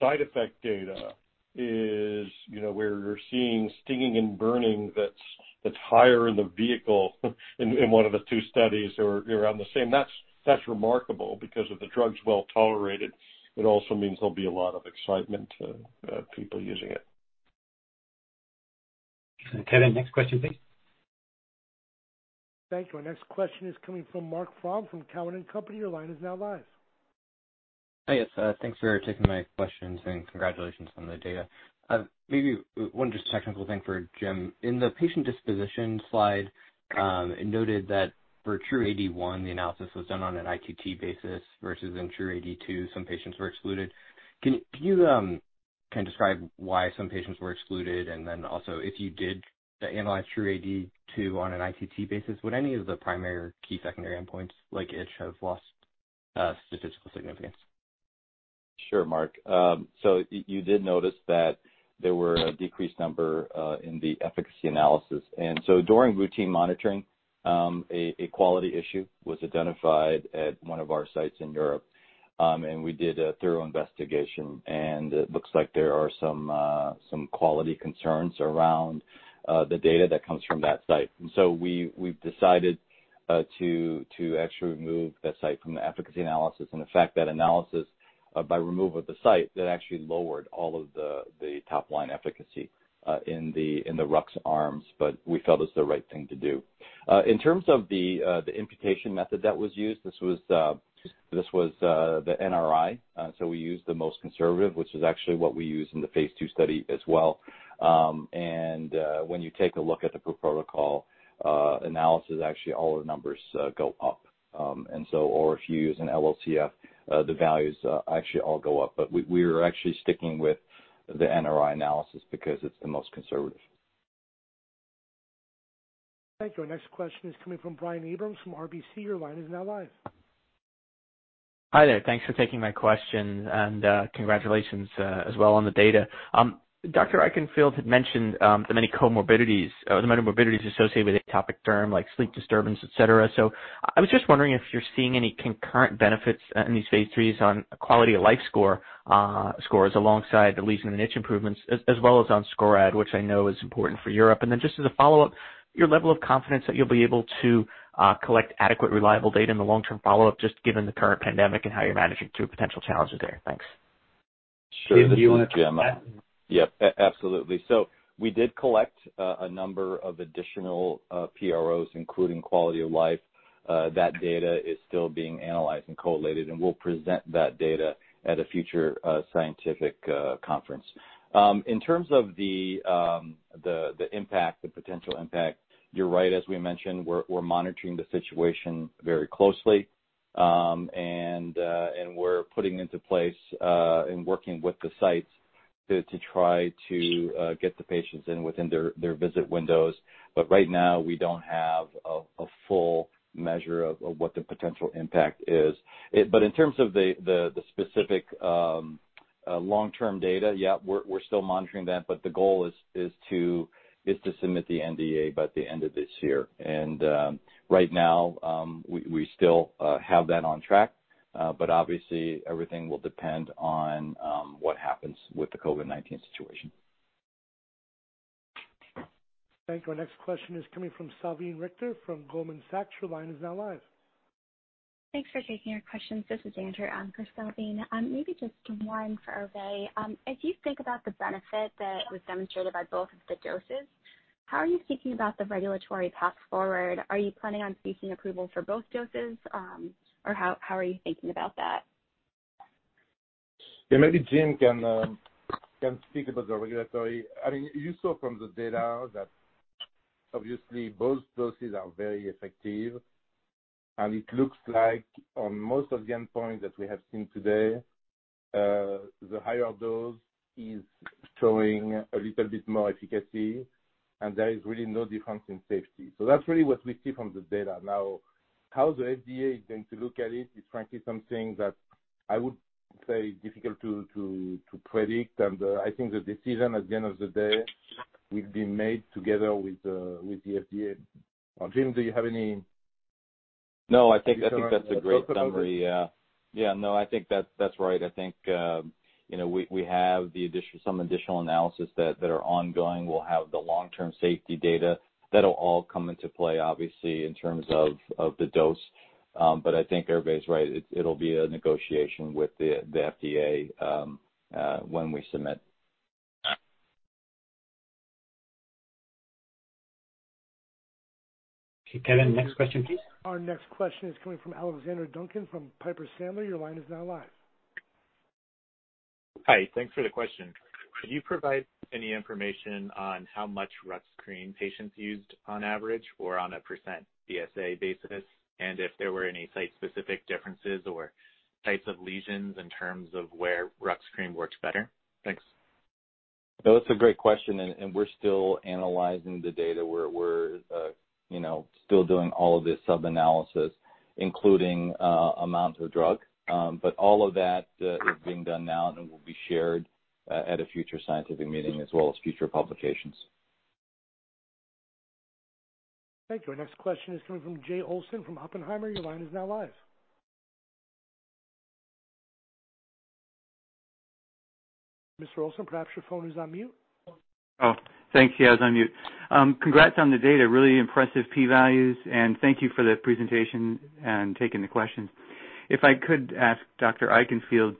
side effect data is where you're seeing stinging and burning that's higher in the vehicle in one of the two studies or around the same. That's remarkable because if the drug's well-tolerated, it also means there'll be a lot of excitement to people using it.
Okay. Next question, please.
Thank you. Our next question is coming from Marc Frahm from Cowen & Co. Your line is now live.
Hi. Yes. Thanks for taking my questions and congratulations on the data. Maybe one just technical thing for Jim. In the patient disposition slide, it noted that for TRuE-AD1, the analysis was done on an ITT basis versus in TRuE-AD2 some patients were excluded. Can you describe why some patients were excluded and then also if you did analyze TRuE-AD2 on an ITT basis, would any of the primary or key secondary endpoints like itch have lost statistical significance?
Sure Marc. You did notice that there were a decreased number in the efficacy analysis. During routine monitoring, a quality issue was identified at one of our sites in Europe. We did a thorough investigation, and it looks like there are some quality concerns around the data that comes from that site. We've decided to actually remove that site from the efficacy analysis. That analysis by removal of the site, that actually lowered all of the top line efficacy in the rux arms, but we felt it was the right thing to do. In terms of the imputation method that was used, this was the NRI. We used the most conservative, which is actually what we used in the phase II study as well. When you take a look at the protocol analysis, actually all the numbers go up. If you use an LOCF, the values actually all go up. We're actually sticking with the NRI analysis because it's the most conservative.
Thank you. Our next question is coming from Brian Abrahams from RBC. Your line is now live.
Hi there. Thanks for taking my question and congratulations as well on the data. Dr. Eichenfield had mentioned the many comorbidities associated with atopic derm like sleep disturbance, et cetera. I was just wondering if you're seeing any concurrent benefits in these phase III on quality of life scores alongside the lesion and itch improvements as well as on SCORAD, which I know is important for Europe. Just as a follow-up, your level of confidence that you'll be able to collect adequate reliable data in the long-term follow-up, just given the current pandemic and how you're managing through potential challenges there. Thanks.
Sure. This is Jim. Yep, absolutely. We did collect a number of additional PROs, including quality of life. That data is still being analyzed and collated, and we'll present that data at a future scientific conference. In terms of the potential impact, you're right, as we mentioned, we're monitoring the situation very closely. We're putting into place and working with the sites to try to get the patients in within their visit windows. Right now, we don't have a full measure of what the potential impact is. In terms of the specific long-term data, yeah, we're still monitoring that. The goal is to submit the NDA by the end of this year. Right now, we still have that on track. Obviously everything will depend on what happens with the COVID-19 situation.
Thank you. Our next question is coming from Salveen Richter from Goldman Sachs. Your line is now live.
Thanks for taking our questions. This is Andrea for Salveen. Maybe just one for Hervé. If you think about the benefit that was demonstrated by both of the doses, how are you thinking about the regulatory path forward? Are you planning on seeking approval for both doses? Or how are you thinking about that?
Yeah, maybe Jim can speak about the regulatory. You saw from the data that obviously both doses are very effective, and it looks like on most of the endpoints that we have seen today, the higher dose is showing a little bit more efficacy, and there is really no difference in safety. That's really what we see from the data. Now, how the FDA is going to look at it is frankly something that I would say is difficult to predict. I think the decision, at the end of the day, will be made together with the FDA. Jim, do you have any thoughts on that?
No, I think that's a great summary. Yeah. No, I think that's right. I think we have some additional analysis that are ongoing. We'll have the long-term safety data. That'll all come into play, obviously, in terms of the dose. I think Hervé's right. It'll be a negotiation with the FDA when we submit.
Okay, Kevin, next question please.
Our next question is coming from Alexander Duncan from Piper Sandler. Your line is now live.
Hi. Thanks for the question. Could you provide any information on how much RUX cream patients used on average or on a % BSA basis, and if there were any site-specific differences or types of lesions in terms of where RUX cream works better? Thanks.
It's a great question. We're still analyzing the data. We're still doing all of the sub-analysis, including amount of drug. All of that is being done now and will be shared at a future scientific meeting as well as future publications.
Thank you. Our next question is coming from Jay Olson from Oppenheimer. Your line is now live. Mr. Olson, perhaps your phone is on mute.
Oh, thank you. I was on mute. Congrats on the data. Really impressive P values. Thank you for the presentation and taking the questions. If I could ask Dr. Eichenfield,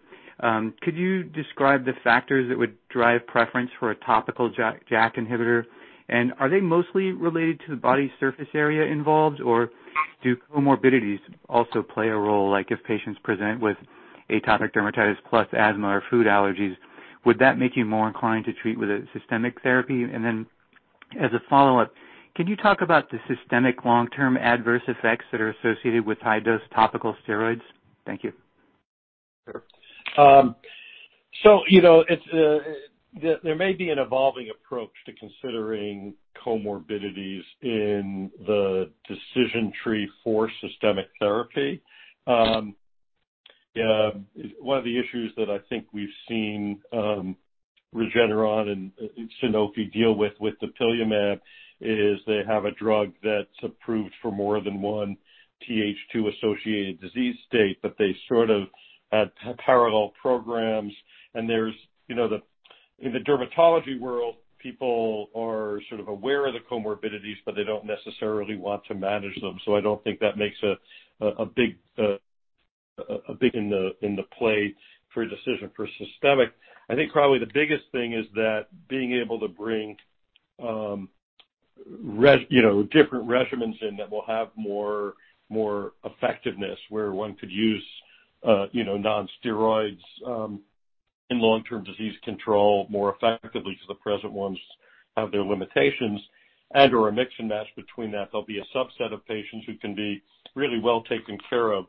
could you describe the factors that would drive preference for a topical JAK inhibitor? Are they mostly related to the body surface area involved, or do comorbidities also play a role? Like if patients present with atopic dermatitis plus asthma or food allergies, would that make you more inclined to treat with a systemic therapy? As a follow-up, can you talk about the systemic long-term adverse effects that are associated with high-dose topical steroids? Thank you.
Sure. There may be an evolving approach to considering comorbidities in the decision tree for systemic therapy. One of the issues that I think we've seen Regeneron and Sanofi deal with dupilumab, is they have a drug that's approved for more than one Th2-associated disease state, but they sort of had parallel programs. In the dermatology world, people are sort of aware of the comorbidities, but they don't necessarily want to manage them. I don't think that makes a big play for a decision for systemic. I think probably the biggest thing is that being able to bring different regimens in that will have more effectiveness, where one could use non-steroids in long-term disease control more effectively because the present ones have their limitations, and/or a mix and match between that. There'll be a subset of patients who can be really well taken care of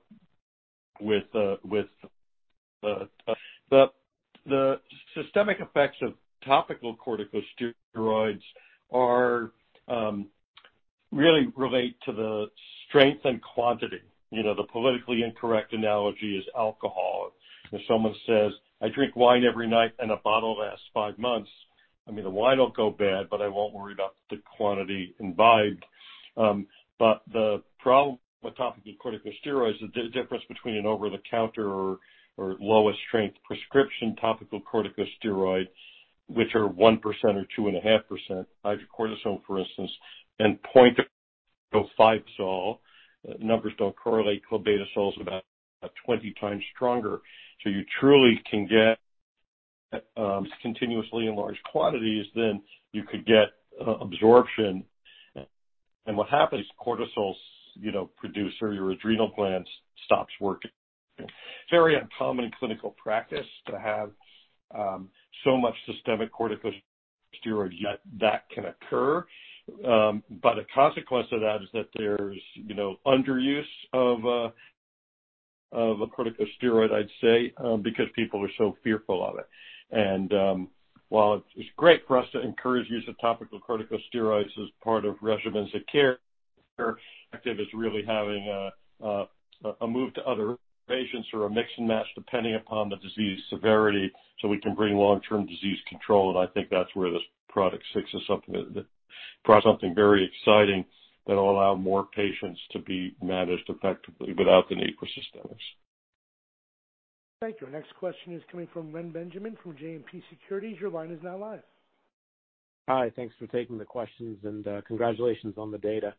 with the systemic effects of topical corticosteroids really relate to the strength and quantity. The politically incorrect analogy is alcohol. If someone says, "I drink wine every night and a bottle lasts five months," I mean, the wine will go bad, but I won't worry about the quantity imbibed. The problem with topical corticosteroids, the difference between an over-the-counter or lower strength prescription topical corticosteroid, which are 1% or 2.5%, hydrocortisone, for instance, and 0.05%, numbers don't correlate. clobetasol's about 20x stronger. You truly can get, continuously in large quantities, then you could get absorption. What happens, cortisol's produced, so your adrenal glands stops working. Very uncommon in clinical practice to have so much systemic corticosteroids, yet that can occur. A consequence of that is that there's underuse of a corticosteroid, I'd say, because people are so fearful of it. While it's great for us to encourage use of topical corticosteroids as part of regimens of care, effective is really having a move to other patients or a mix and match depending upon the disease severity so we can bring long-term disease control, and I think that's where this product six is something very exciting that will allow more patients to be managed effectively without the need for systemics.
Thank you. Our next question is coming from Reni Benjamin from JMP Securities. Your line is now live.
Hi. Thanks for taking the questions and congratulations on the data.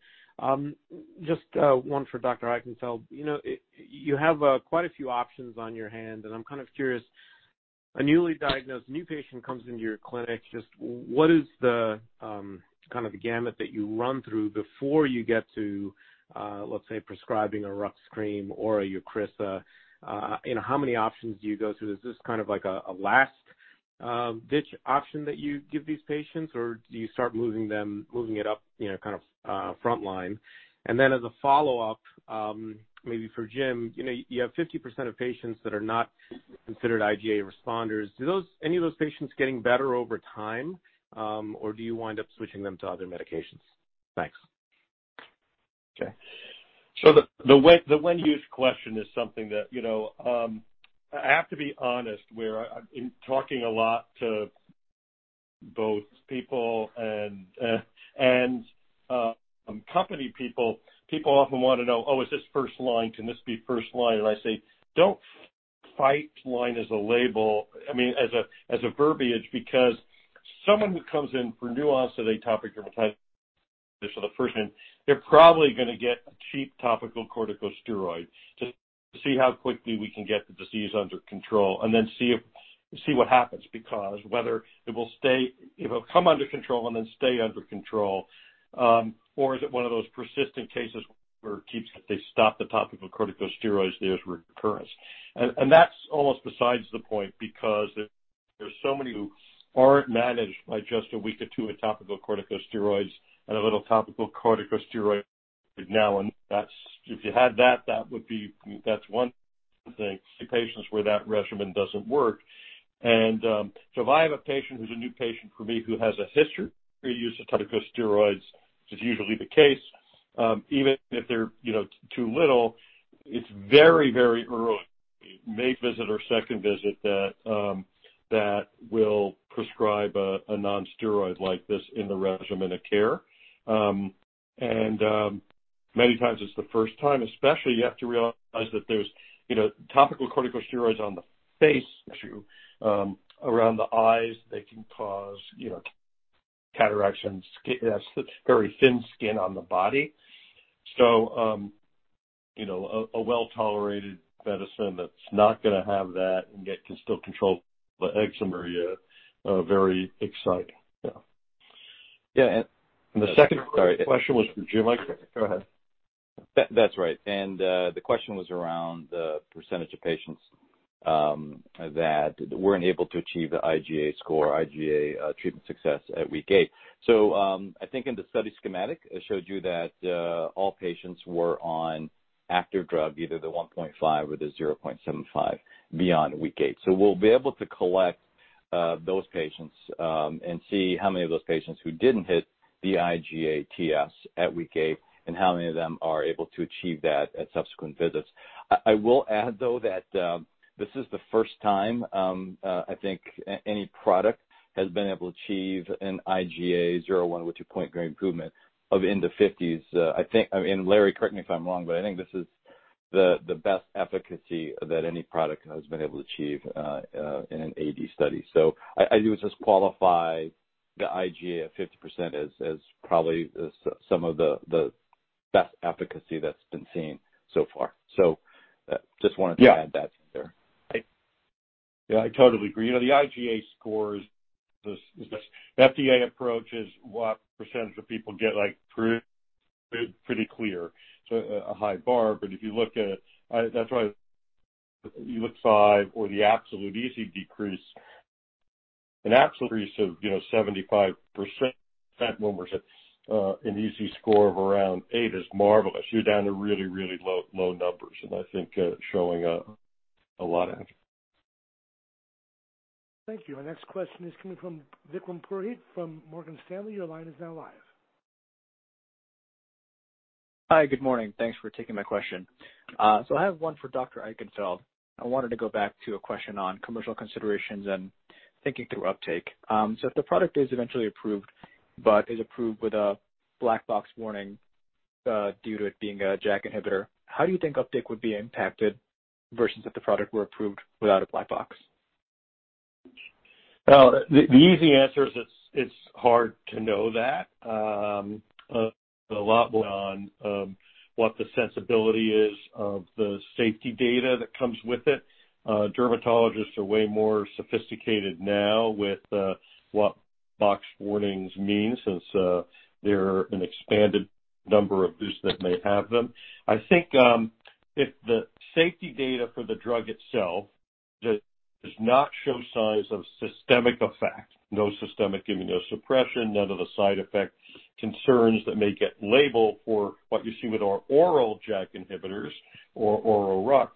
Just one for Dr. Eichenfield. You have quite a few options on your hand, and I'm kind of curious. A newly diagnosed new patient comes into your clinic, just what is the gamut that you run through before you get to, let's say, prescribing a RUX cream or a Eucrisa? How many options do you go through? Is this like a last-ditch option that you give these patients, or do you start moving it up front line? Then as a follow-up, maybe for Jim, you have 50% of patients that are not considered IGA responders. Are any of those patients getting better over time? Do you wind up switching them to other medications? Thanks.
Okay. The when-use question is something that, I have to be honest, where in talking a lot to both people and company people often want to know, "Oh, is this first line? Can this be first line?" I say: Don't fight line as a label. I mean, as a verbiage, because someone who comes in for new onset atopic dermatitis for the first time, they're probably going to get a cheap topical corticosteroid to see how quickly we can get the disease under control. Then see what happens, because whether it will come under control and then stay under control, or is it one of those persistent cases where if they stop the topical corticosteroids, there's recurrence. That's almost besides the point, because there's so many who aren't managed by just a week or two of topical corticosteroids and a little topical corticosteroid now. If you had that's one thing. See patients where that regimen doesn't work. If I have a patient who's a new patient for me who has a history of use of corticosteroids, which is usually the case, even if they're too little, it's very early, maybe visit or second visit that we'll prescribe a non-steroid like this in the regimen of care. Many times, it's the first time. Especially you have to realize that there's topical corticosteroids on the face issue. Around the eyes, they can cause cataracts and very thin skin on the body. A well-tolerated medicine that's not going to have that and yet can still control the eczema area, very exciting. Yeah.
Yeah, the second part. Sorry.
The question was for Jim, I think. Go ahead.
That's right. The question was around the % of patients that weren't able to achieve the IGA score, IGA treatment success at week eight. I think in the study schematic, it showed you that all patients were on active drug, either the 1.5 or the 0.75 beyond week eight. We'll be able to collect those patients and see how many of those patients who didn't hit the IGATS at week eight, and how many of them are able to achieve that at subsequent visits. I will add though, that this is the first time, I think any product has been able to achieve an IGA zero one with a two-point grade improvement of into fifties. Larry, correct me if I'm wrong, but I think this is the best efficacy that any product has been able to achieve in an AD study. I would just qualify the IGA of 50% as probably some of the best efficacy that's been seen so far. Just wanted to add that in there.
Yeah. I totally agree. The IGA scores, the FDA approach is what percentage of people get approved pretty clear. A high bar, but if you look at it, that's why you look for the absolute EASI decrease, an absolute increase of 75% improvement, an EASI score of around 8 is marvelous. You're down to really low numbers.
Thank you. Our next question is coming from Vikram Purohit from Morgan Stanley. Your line is now live.
Hi. Good morning. Thanks for taking my question. I have one for Dr. Eichenfield. I wanted to go back to a question on commercial considerations and thinking through uptake. If the product is eventually approved, but is approved with a black box warning, due to it being a JAK inhibitor, how do you think uptake would be impacted versus if the product were approved without a black box?
The easy answer is it's hard to know that. A lot will be on what the sensibility is of the safety data that comes with it. Dermatologists are way more sophisticated now with what box warnings mean since there are an expanded number of boosts that may have them. I think if the safety data for the drug itself does not show signs of systemic effect, no systemic immunosuppression, none of the side effect concerns that may get labeled for what you see with our oral JAK inhibitors or oral RUX.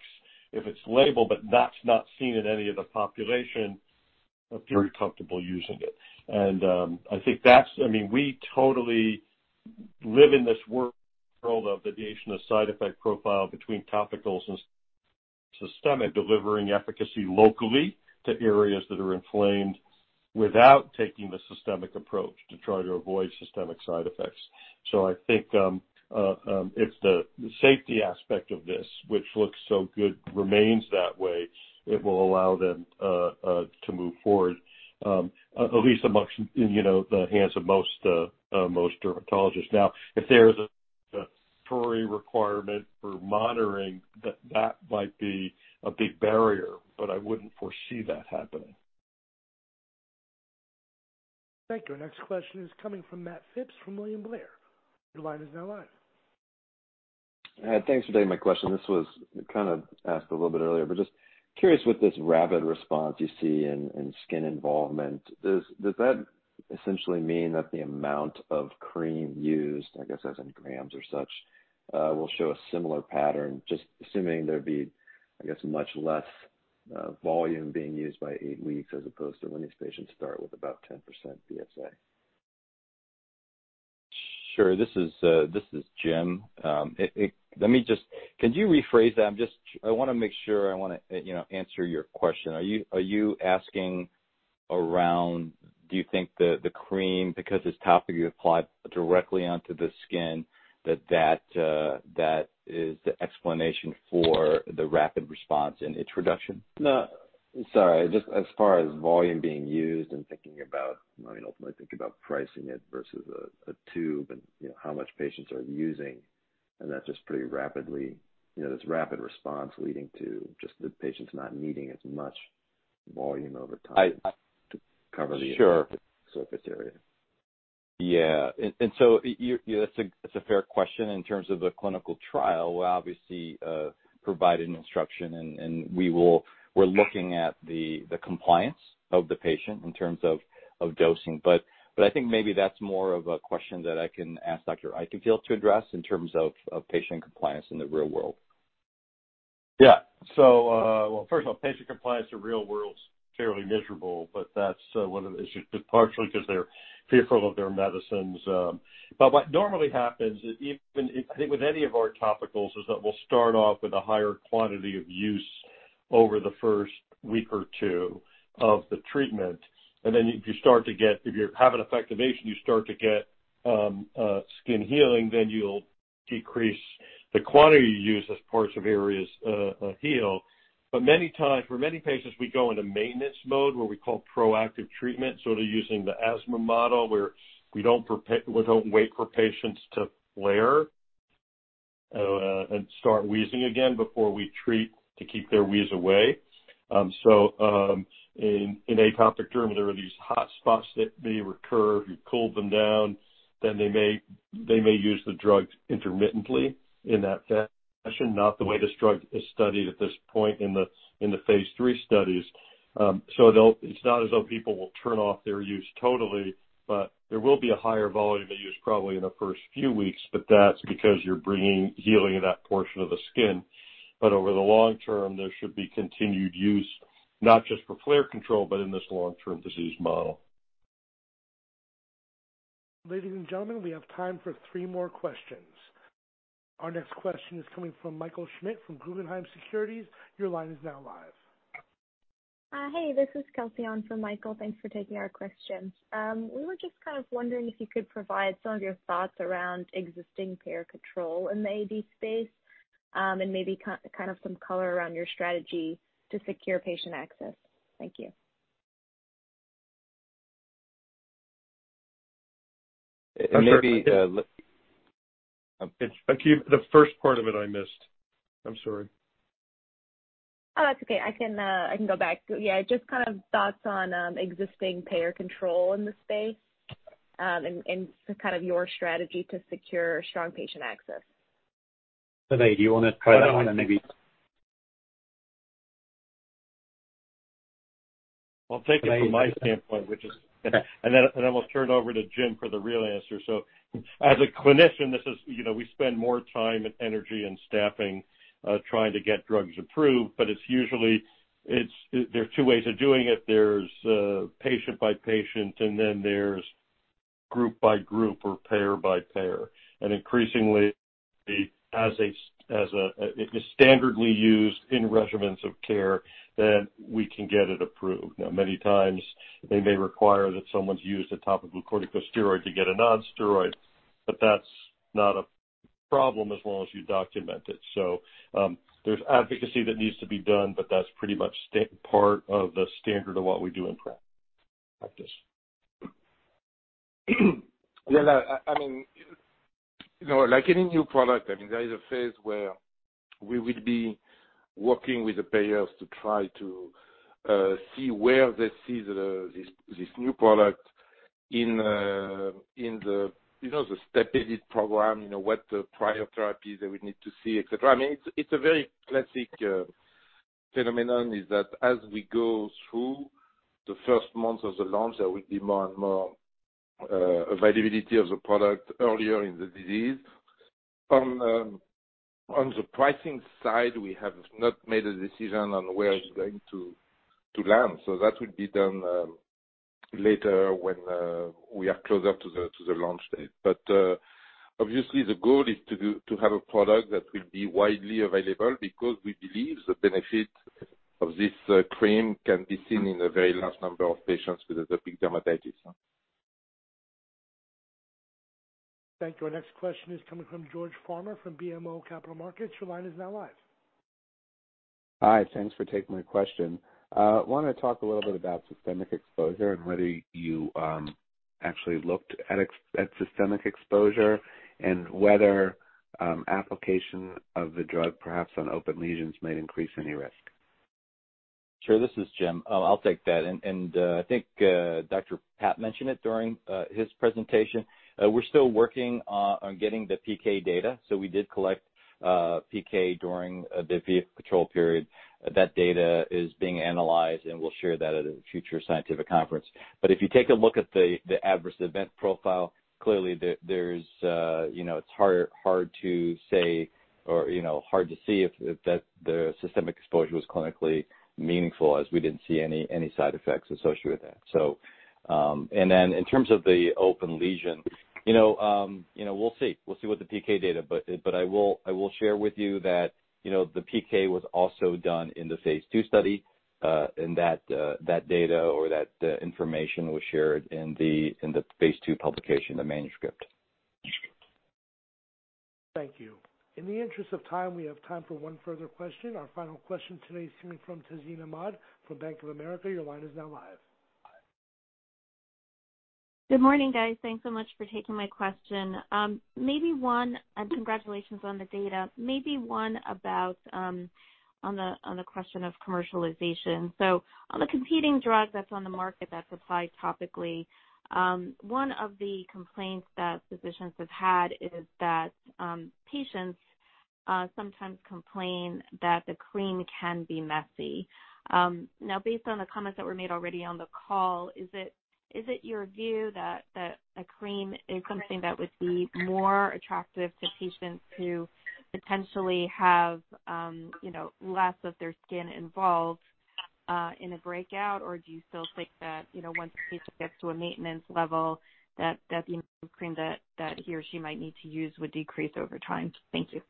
If it's labeled, but that's not seen in any of the population, I'd feel very comfortable using it. We totally live in this world of the notion of side effect profile between topicals and systemic, delivering efficacy locally to areas that are inflamed without taking the systemic approach to try to avoid systemic side effects. I think if the safety aspect of this, which looks so good, remains that way, it will allow them to move forward, at least in the hands of most dermatologists. Now, if there's a requirement for monitoring, that might be a big barrier, but I wouldn't foresee that happening.
Thank you. Our next question is coming from Matt Phipps from William Blair. Your line is now live.
Thanks for taking my question. Just curious with this rapid response you see in skin involvement, does that essentially mean that the amount of cream used, I guess, as in grams or such, will show a similar pattern, just assuming there'd be, I guess, much less volume being used by eight weeks as opposed to when these patients start with about 10% BSA?
Sure. This is Jim. Could you rephrase that? I want to make sure I want to answer your question. Are you asking around, do you think the cream, because it is topically applied directly onto the skin, that is the explanation for the rapid response and its reduction?
No. Sorry. Just as far as volume being used and thinking about ultimately pricing it versus a tube and how much patients are using, and that's just this rapid response leading to just the patients not needing as much volume over time.
I-
to cover the
Sure
surface area.
Yeah. That's a fair question. In terms of the clinical trial, we'll obviously provide an instruction, and we're looking at the compliance of the patient in terms of dosing. I think maybe that's more of a question that I can ask Dr. Eichenfield to address in terms of patient compliance in the real world.
Yeah. Well, first of all, patient compliance in the real world's fairly miserable, but that's one of the issues, just partially because they're fearful of their medicines. What normally happens, I think with any of our topicals, is that we'll start off with a higher quantity of use over the first week or two of the treatment, and then if you have an effectuation, you start to get skin healing, then you'll decrease the quantity you use as parts of areas heal. Many times, for many patients, we go into maintenance mode, what we call proactive treatment, sort of using the asthma model, where we don't wait for patients to flare and start wheezing again before we treat to keep their wheeze away. In atopic dermatitis, there are these hotspots that may recur. If you've cooled them down, then they may use the drugs intermittently in that fashion, not the way this drug is studied at this point in the phase III studies. It's not as though people will turn off their use totally, but there will be a higher volume of use probably in the first few weeks, but that's because you're bringing healing to that portion of the skin. Over the long term, there should be continued use, not just for flare control, but in this long-term disease model.
Ladies and gentlemen, we have time for three more questions. Our next question is coming from Michael Schmidt from Guggenheim Securities. Your line is now live.
Hey, this is Kelsey on for Michael. Thanks for taking our question. We were just kind of wondering if you could provide some of your thoughts around existing payer control in the AD space, and maybe kind of some color around your strategy to secure patient access. Thank you.
maybe- The first part of it I missed. I'm sorry.
Oh, that's okay. I can go back. Yeah, just kind of thoughts on existing payer control in the space, and kind of your strategy to secure strong patient access.
Sylvain, do you want to try that one.
Take it from my standpoint, and then we'll turn it over to Jim for the real answer. As a clinician, we spend more time and energy and staffing trying to get drugs approved, but it's usually, there are two ways of doing it. There's patient by patient, and then there's group by group or payer by payer. Increasingly, if it's standardly used in regimens of care, then we can get it approved. Now, many times, they may require that someone's used a topical corticosteroid to get a non-steroid, but that's not a problem as long as you document it. There's advocacy that needs to be done, but that's pretty much part of the standard of what we do in practice.
Like any new product, there is a phase where we will be working with the payers to try to see where they see this new product in the step edit program, what prior therapies they would need to see, et cetera. It's a very classic phenomenon, is that as we go through the first months of the launch, there will be more and more availability of the product earlier in the disease. On the pricing side, we have not made a decision on where it's going to land. That will be done later when we are closer to the launch date. Obviously, the goal is to have a product that will be widely available because we believe the benefit Of this cream can be seen in a very large number of patients with atopic dermatitis.
Thank you. Our next question is coming from George Farmer from BMO Capital Markets. Your line is now live.
Hi. Thanks for taking my question. I wanted to talk a little bit about systemic exposure and whether you actually looked at systemic exposure and whether application of the drug, perhaps on open lesions, might increase any risk.
Sure. This is Jim. I'll take that. I think Dr. Papp mentioned it during his presentation. We're still working on getting the PK data. We did collect PK during the vehicle control period. That data is being analyzed, and we'll share that at a future scientific conference. If you take a look at the adverse event profile, clearly, it's hard to see if the systemic exposure was clinically meaningful, as we didn't see any side effects associated with that. Then in terms of the open lesion, we'll see. We'll see with the PK data. I will share with you that the PK was also done in the phase II study, and that data or that information was shared in the phase II publication, the manuscript.
Thank you. In the interest of time, we have time for one further question. Our final question today is coming from Tazeen Ahmad from Bank of America. Your line is now live.
Good morning, guys. Thanks so much for taking my question. Congratulations on the data. Maybe one on the question of commercialization. On the competing drug that's on the market that's applied topically, one of the complaints that physicians have had is that patients sometimes complain that the cream can be messy. Based on the comments that were made already on the call, is it your view that a cream is something that would be more attractive to patients who potentially have less of their skin involved in a breakout, or do you still think that once a patient gets to a maintenance level, that the amount of cream that he or she might need to use would decrease over time? Thank you.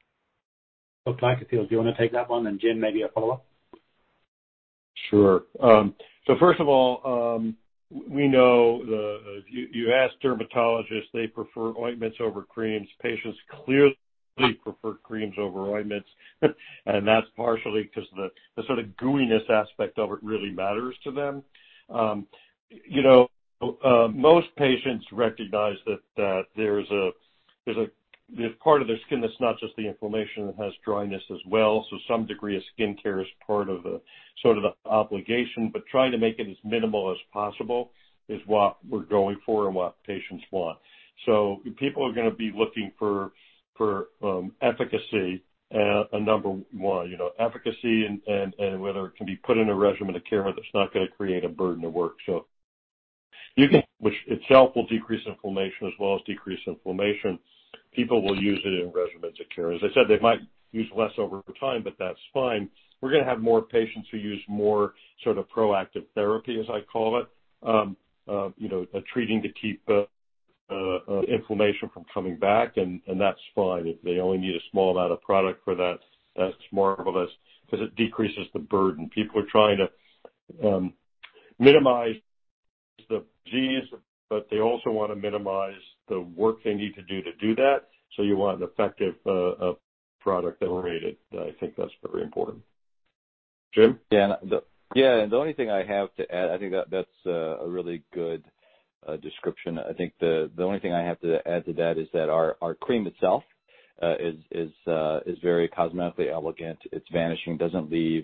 Dr. Eichenfield, do you want to take that one, and Jim, maybe a follow-up?
Sure. First of all, we know if you ask dermatologists, they prefer ointments over creams. Patients clearly prefer creams over ointments, and that's partially because the sort of gooeyness aspect of it really matters to them. Most patients recognize that there's a part of their skin that's not just the inflammation, that has dryness as well. Some degree of skincare is part of the obligation. Trying to make it as minimal as possible is what we're going for and what patients want. People are going to be looking for efficacy, number one, efficacy and whether it can be put in a regimen of care that's not going to create a burden of work. Which itself will decrease inflammation. People will use it in regimens of care. As I said, they might use less over time, but that's fine. We're going to have more patients who use more proactive therapy, as I call it, treating to keep inflammation from coming back. That's fine. If they only need a small amount of product for that's marvelous because it decreases the burden. People are trying to minimize the disease, they also want to minimize the work they need to do to do that. You want an effective product that will aid it. I think that's very important. Jim?
Yeah. The only thing I have to add, I think that's a really good description. I think the only thing I have to add to that is that our cream itself is very cosmetically elegant. It's vanishing. Doesn't leave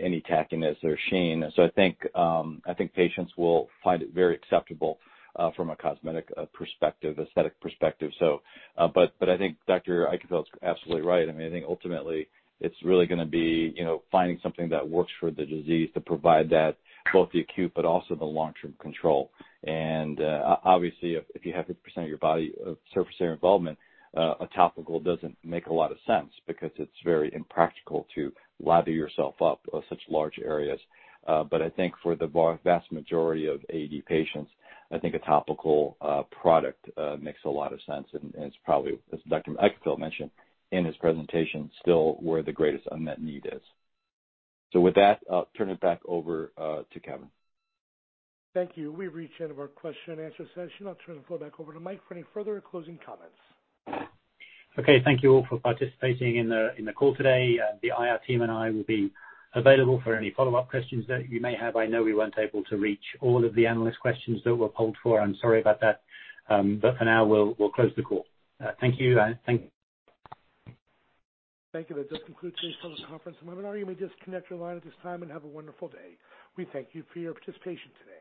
any tackiness or sheen. I think patients will find it very acceptable from a cosmetic perspective, aesthetic perspective. I think Dr. Eichenfield's absolutely right. I think ultimately it's really going to be finding something that works for the disease to provide that both the acute but also the long-term control. Obviously, if you have 50% of your body of surface area involvement, a topical doesn't make a lot of sense because it's very impractical to lather yourself up on such large areas. I think for the vast majority of AD patients, I think a topical product makes a lot of sense and is probably, as Dr. Eichenfield mentioned in his presentation, still where the greatest unmet need is. With that, I'll turn it back over to Kevin.
Thank you. We've reached the end of our question-and-answer session. I'll turn the floor back over to Mike for any further closing comments.
Okay. Thank you all for participating in the call today. The IR team and I will be available for any follow-up questions that you may have. I know we weren't able to reach all of the analyst questions that were polled for. I'm sorry about that. For now, we'll close the call. Thank you.
Thank you. That does conclude today's teleconference and webinar. You may disconnect your line at this time and have a wonderful day. We thank you for your participation today.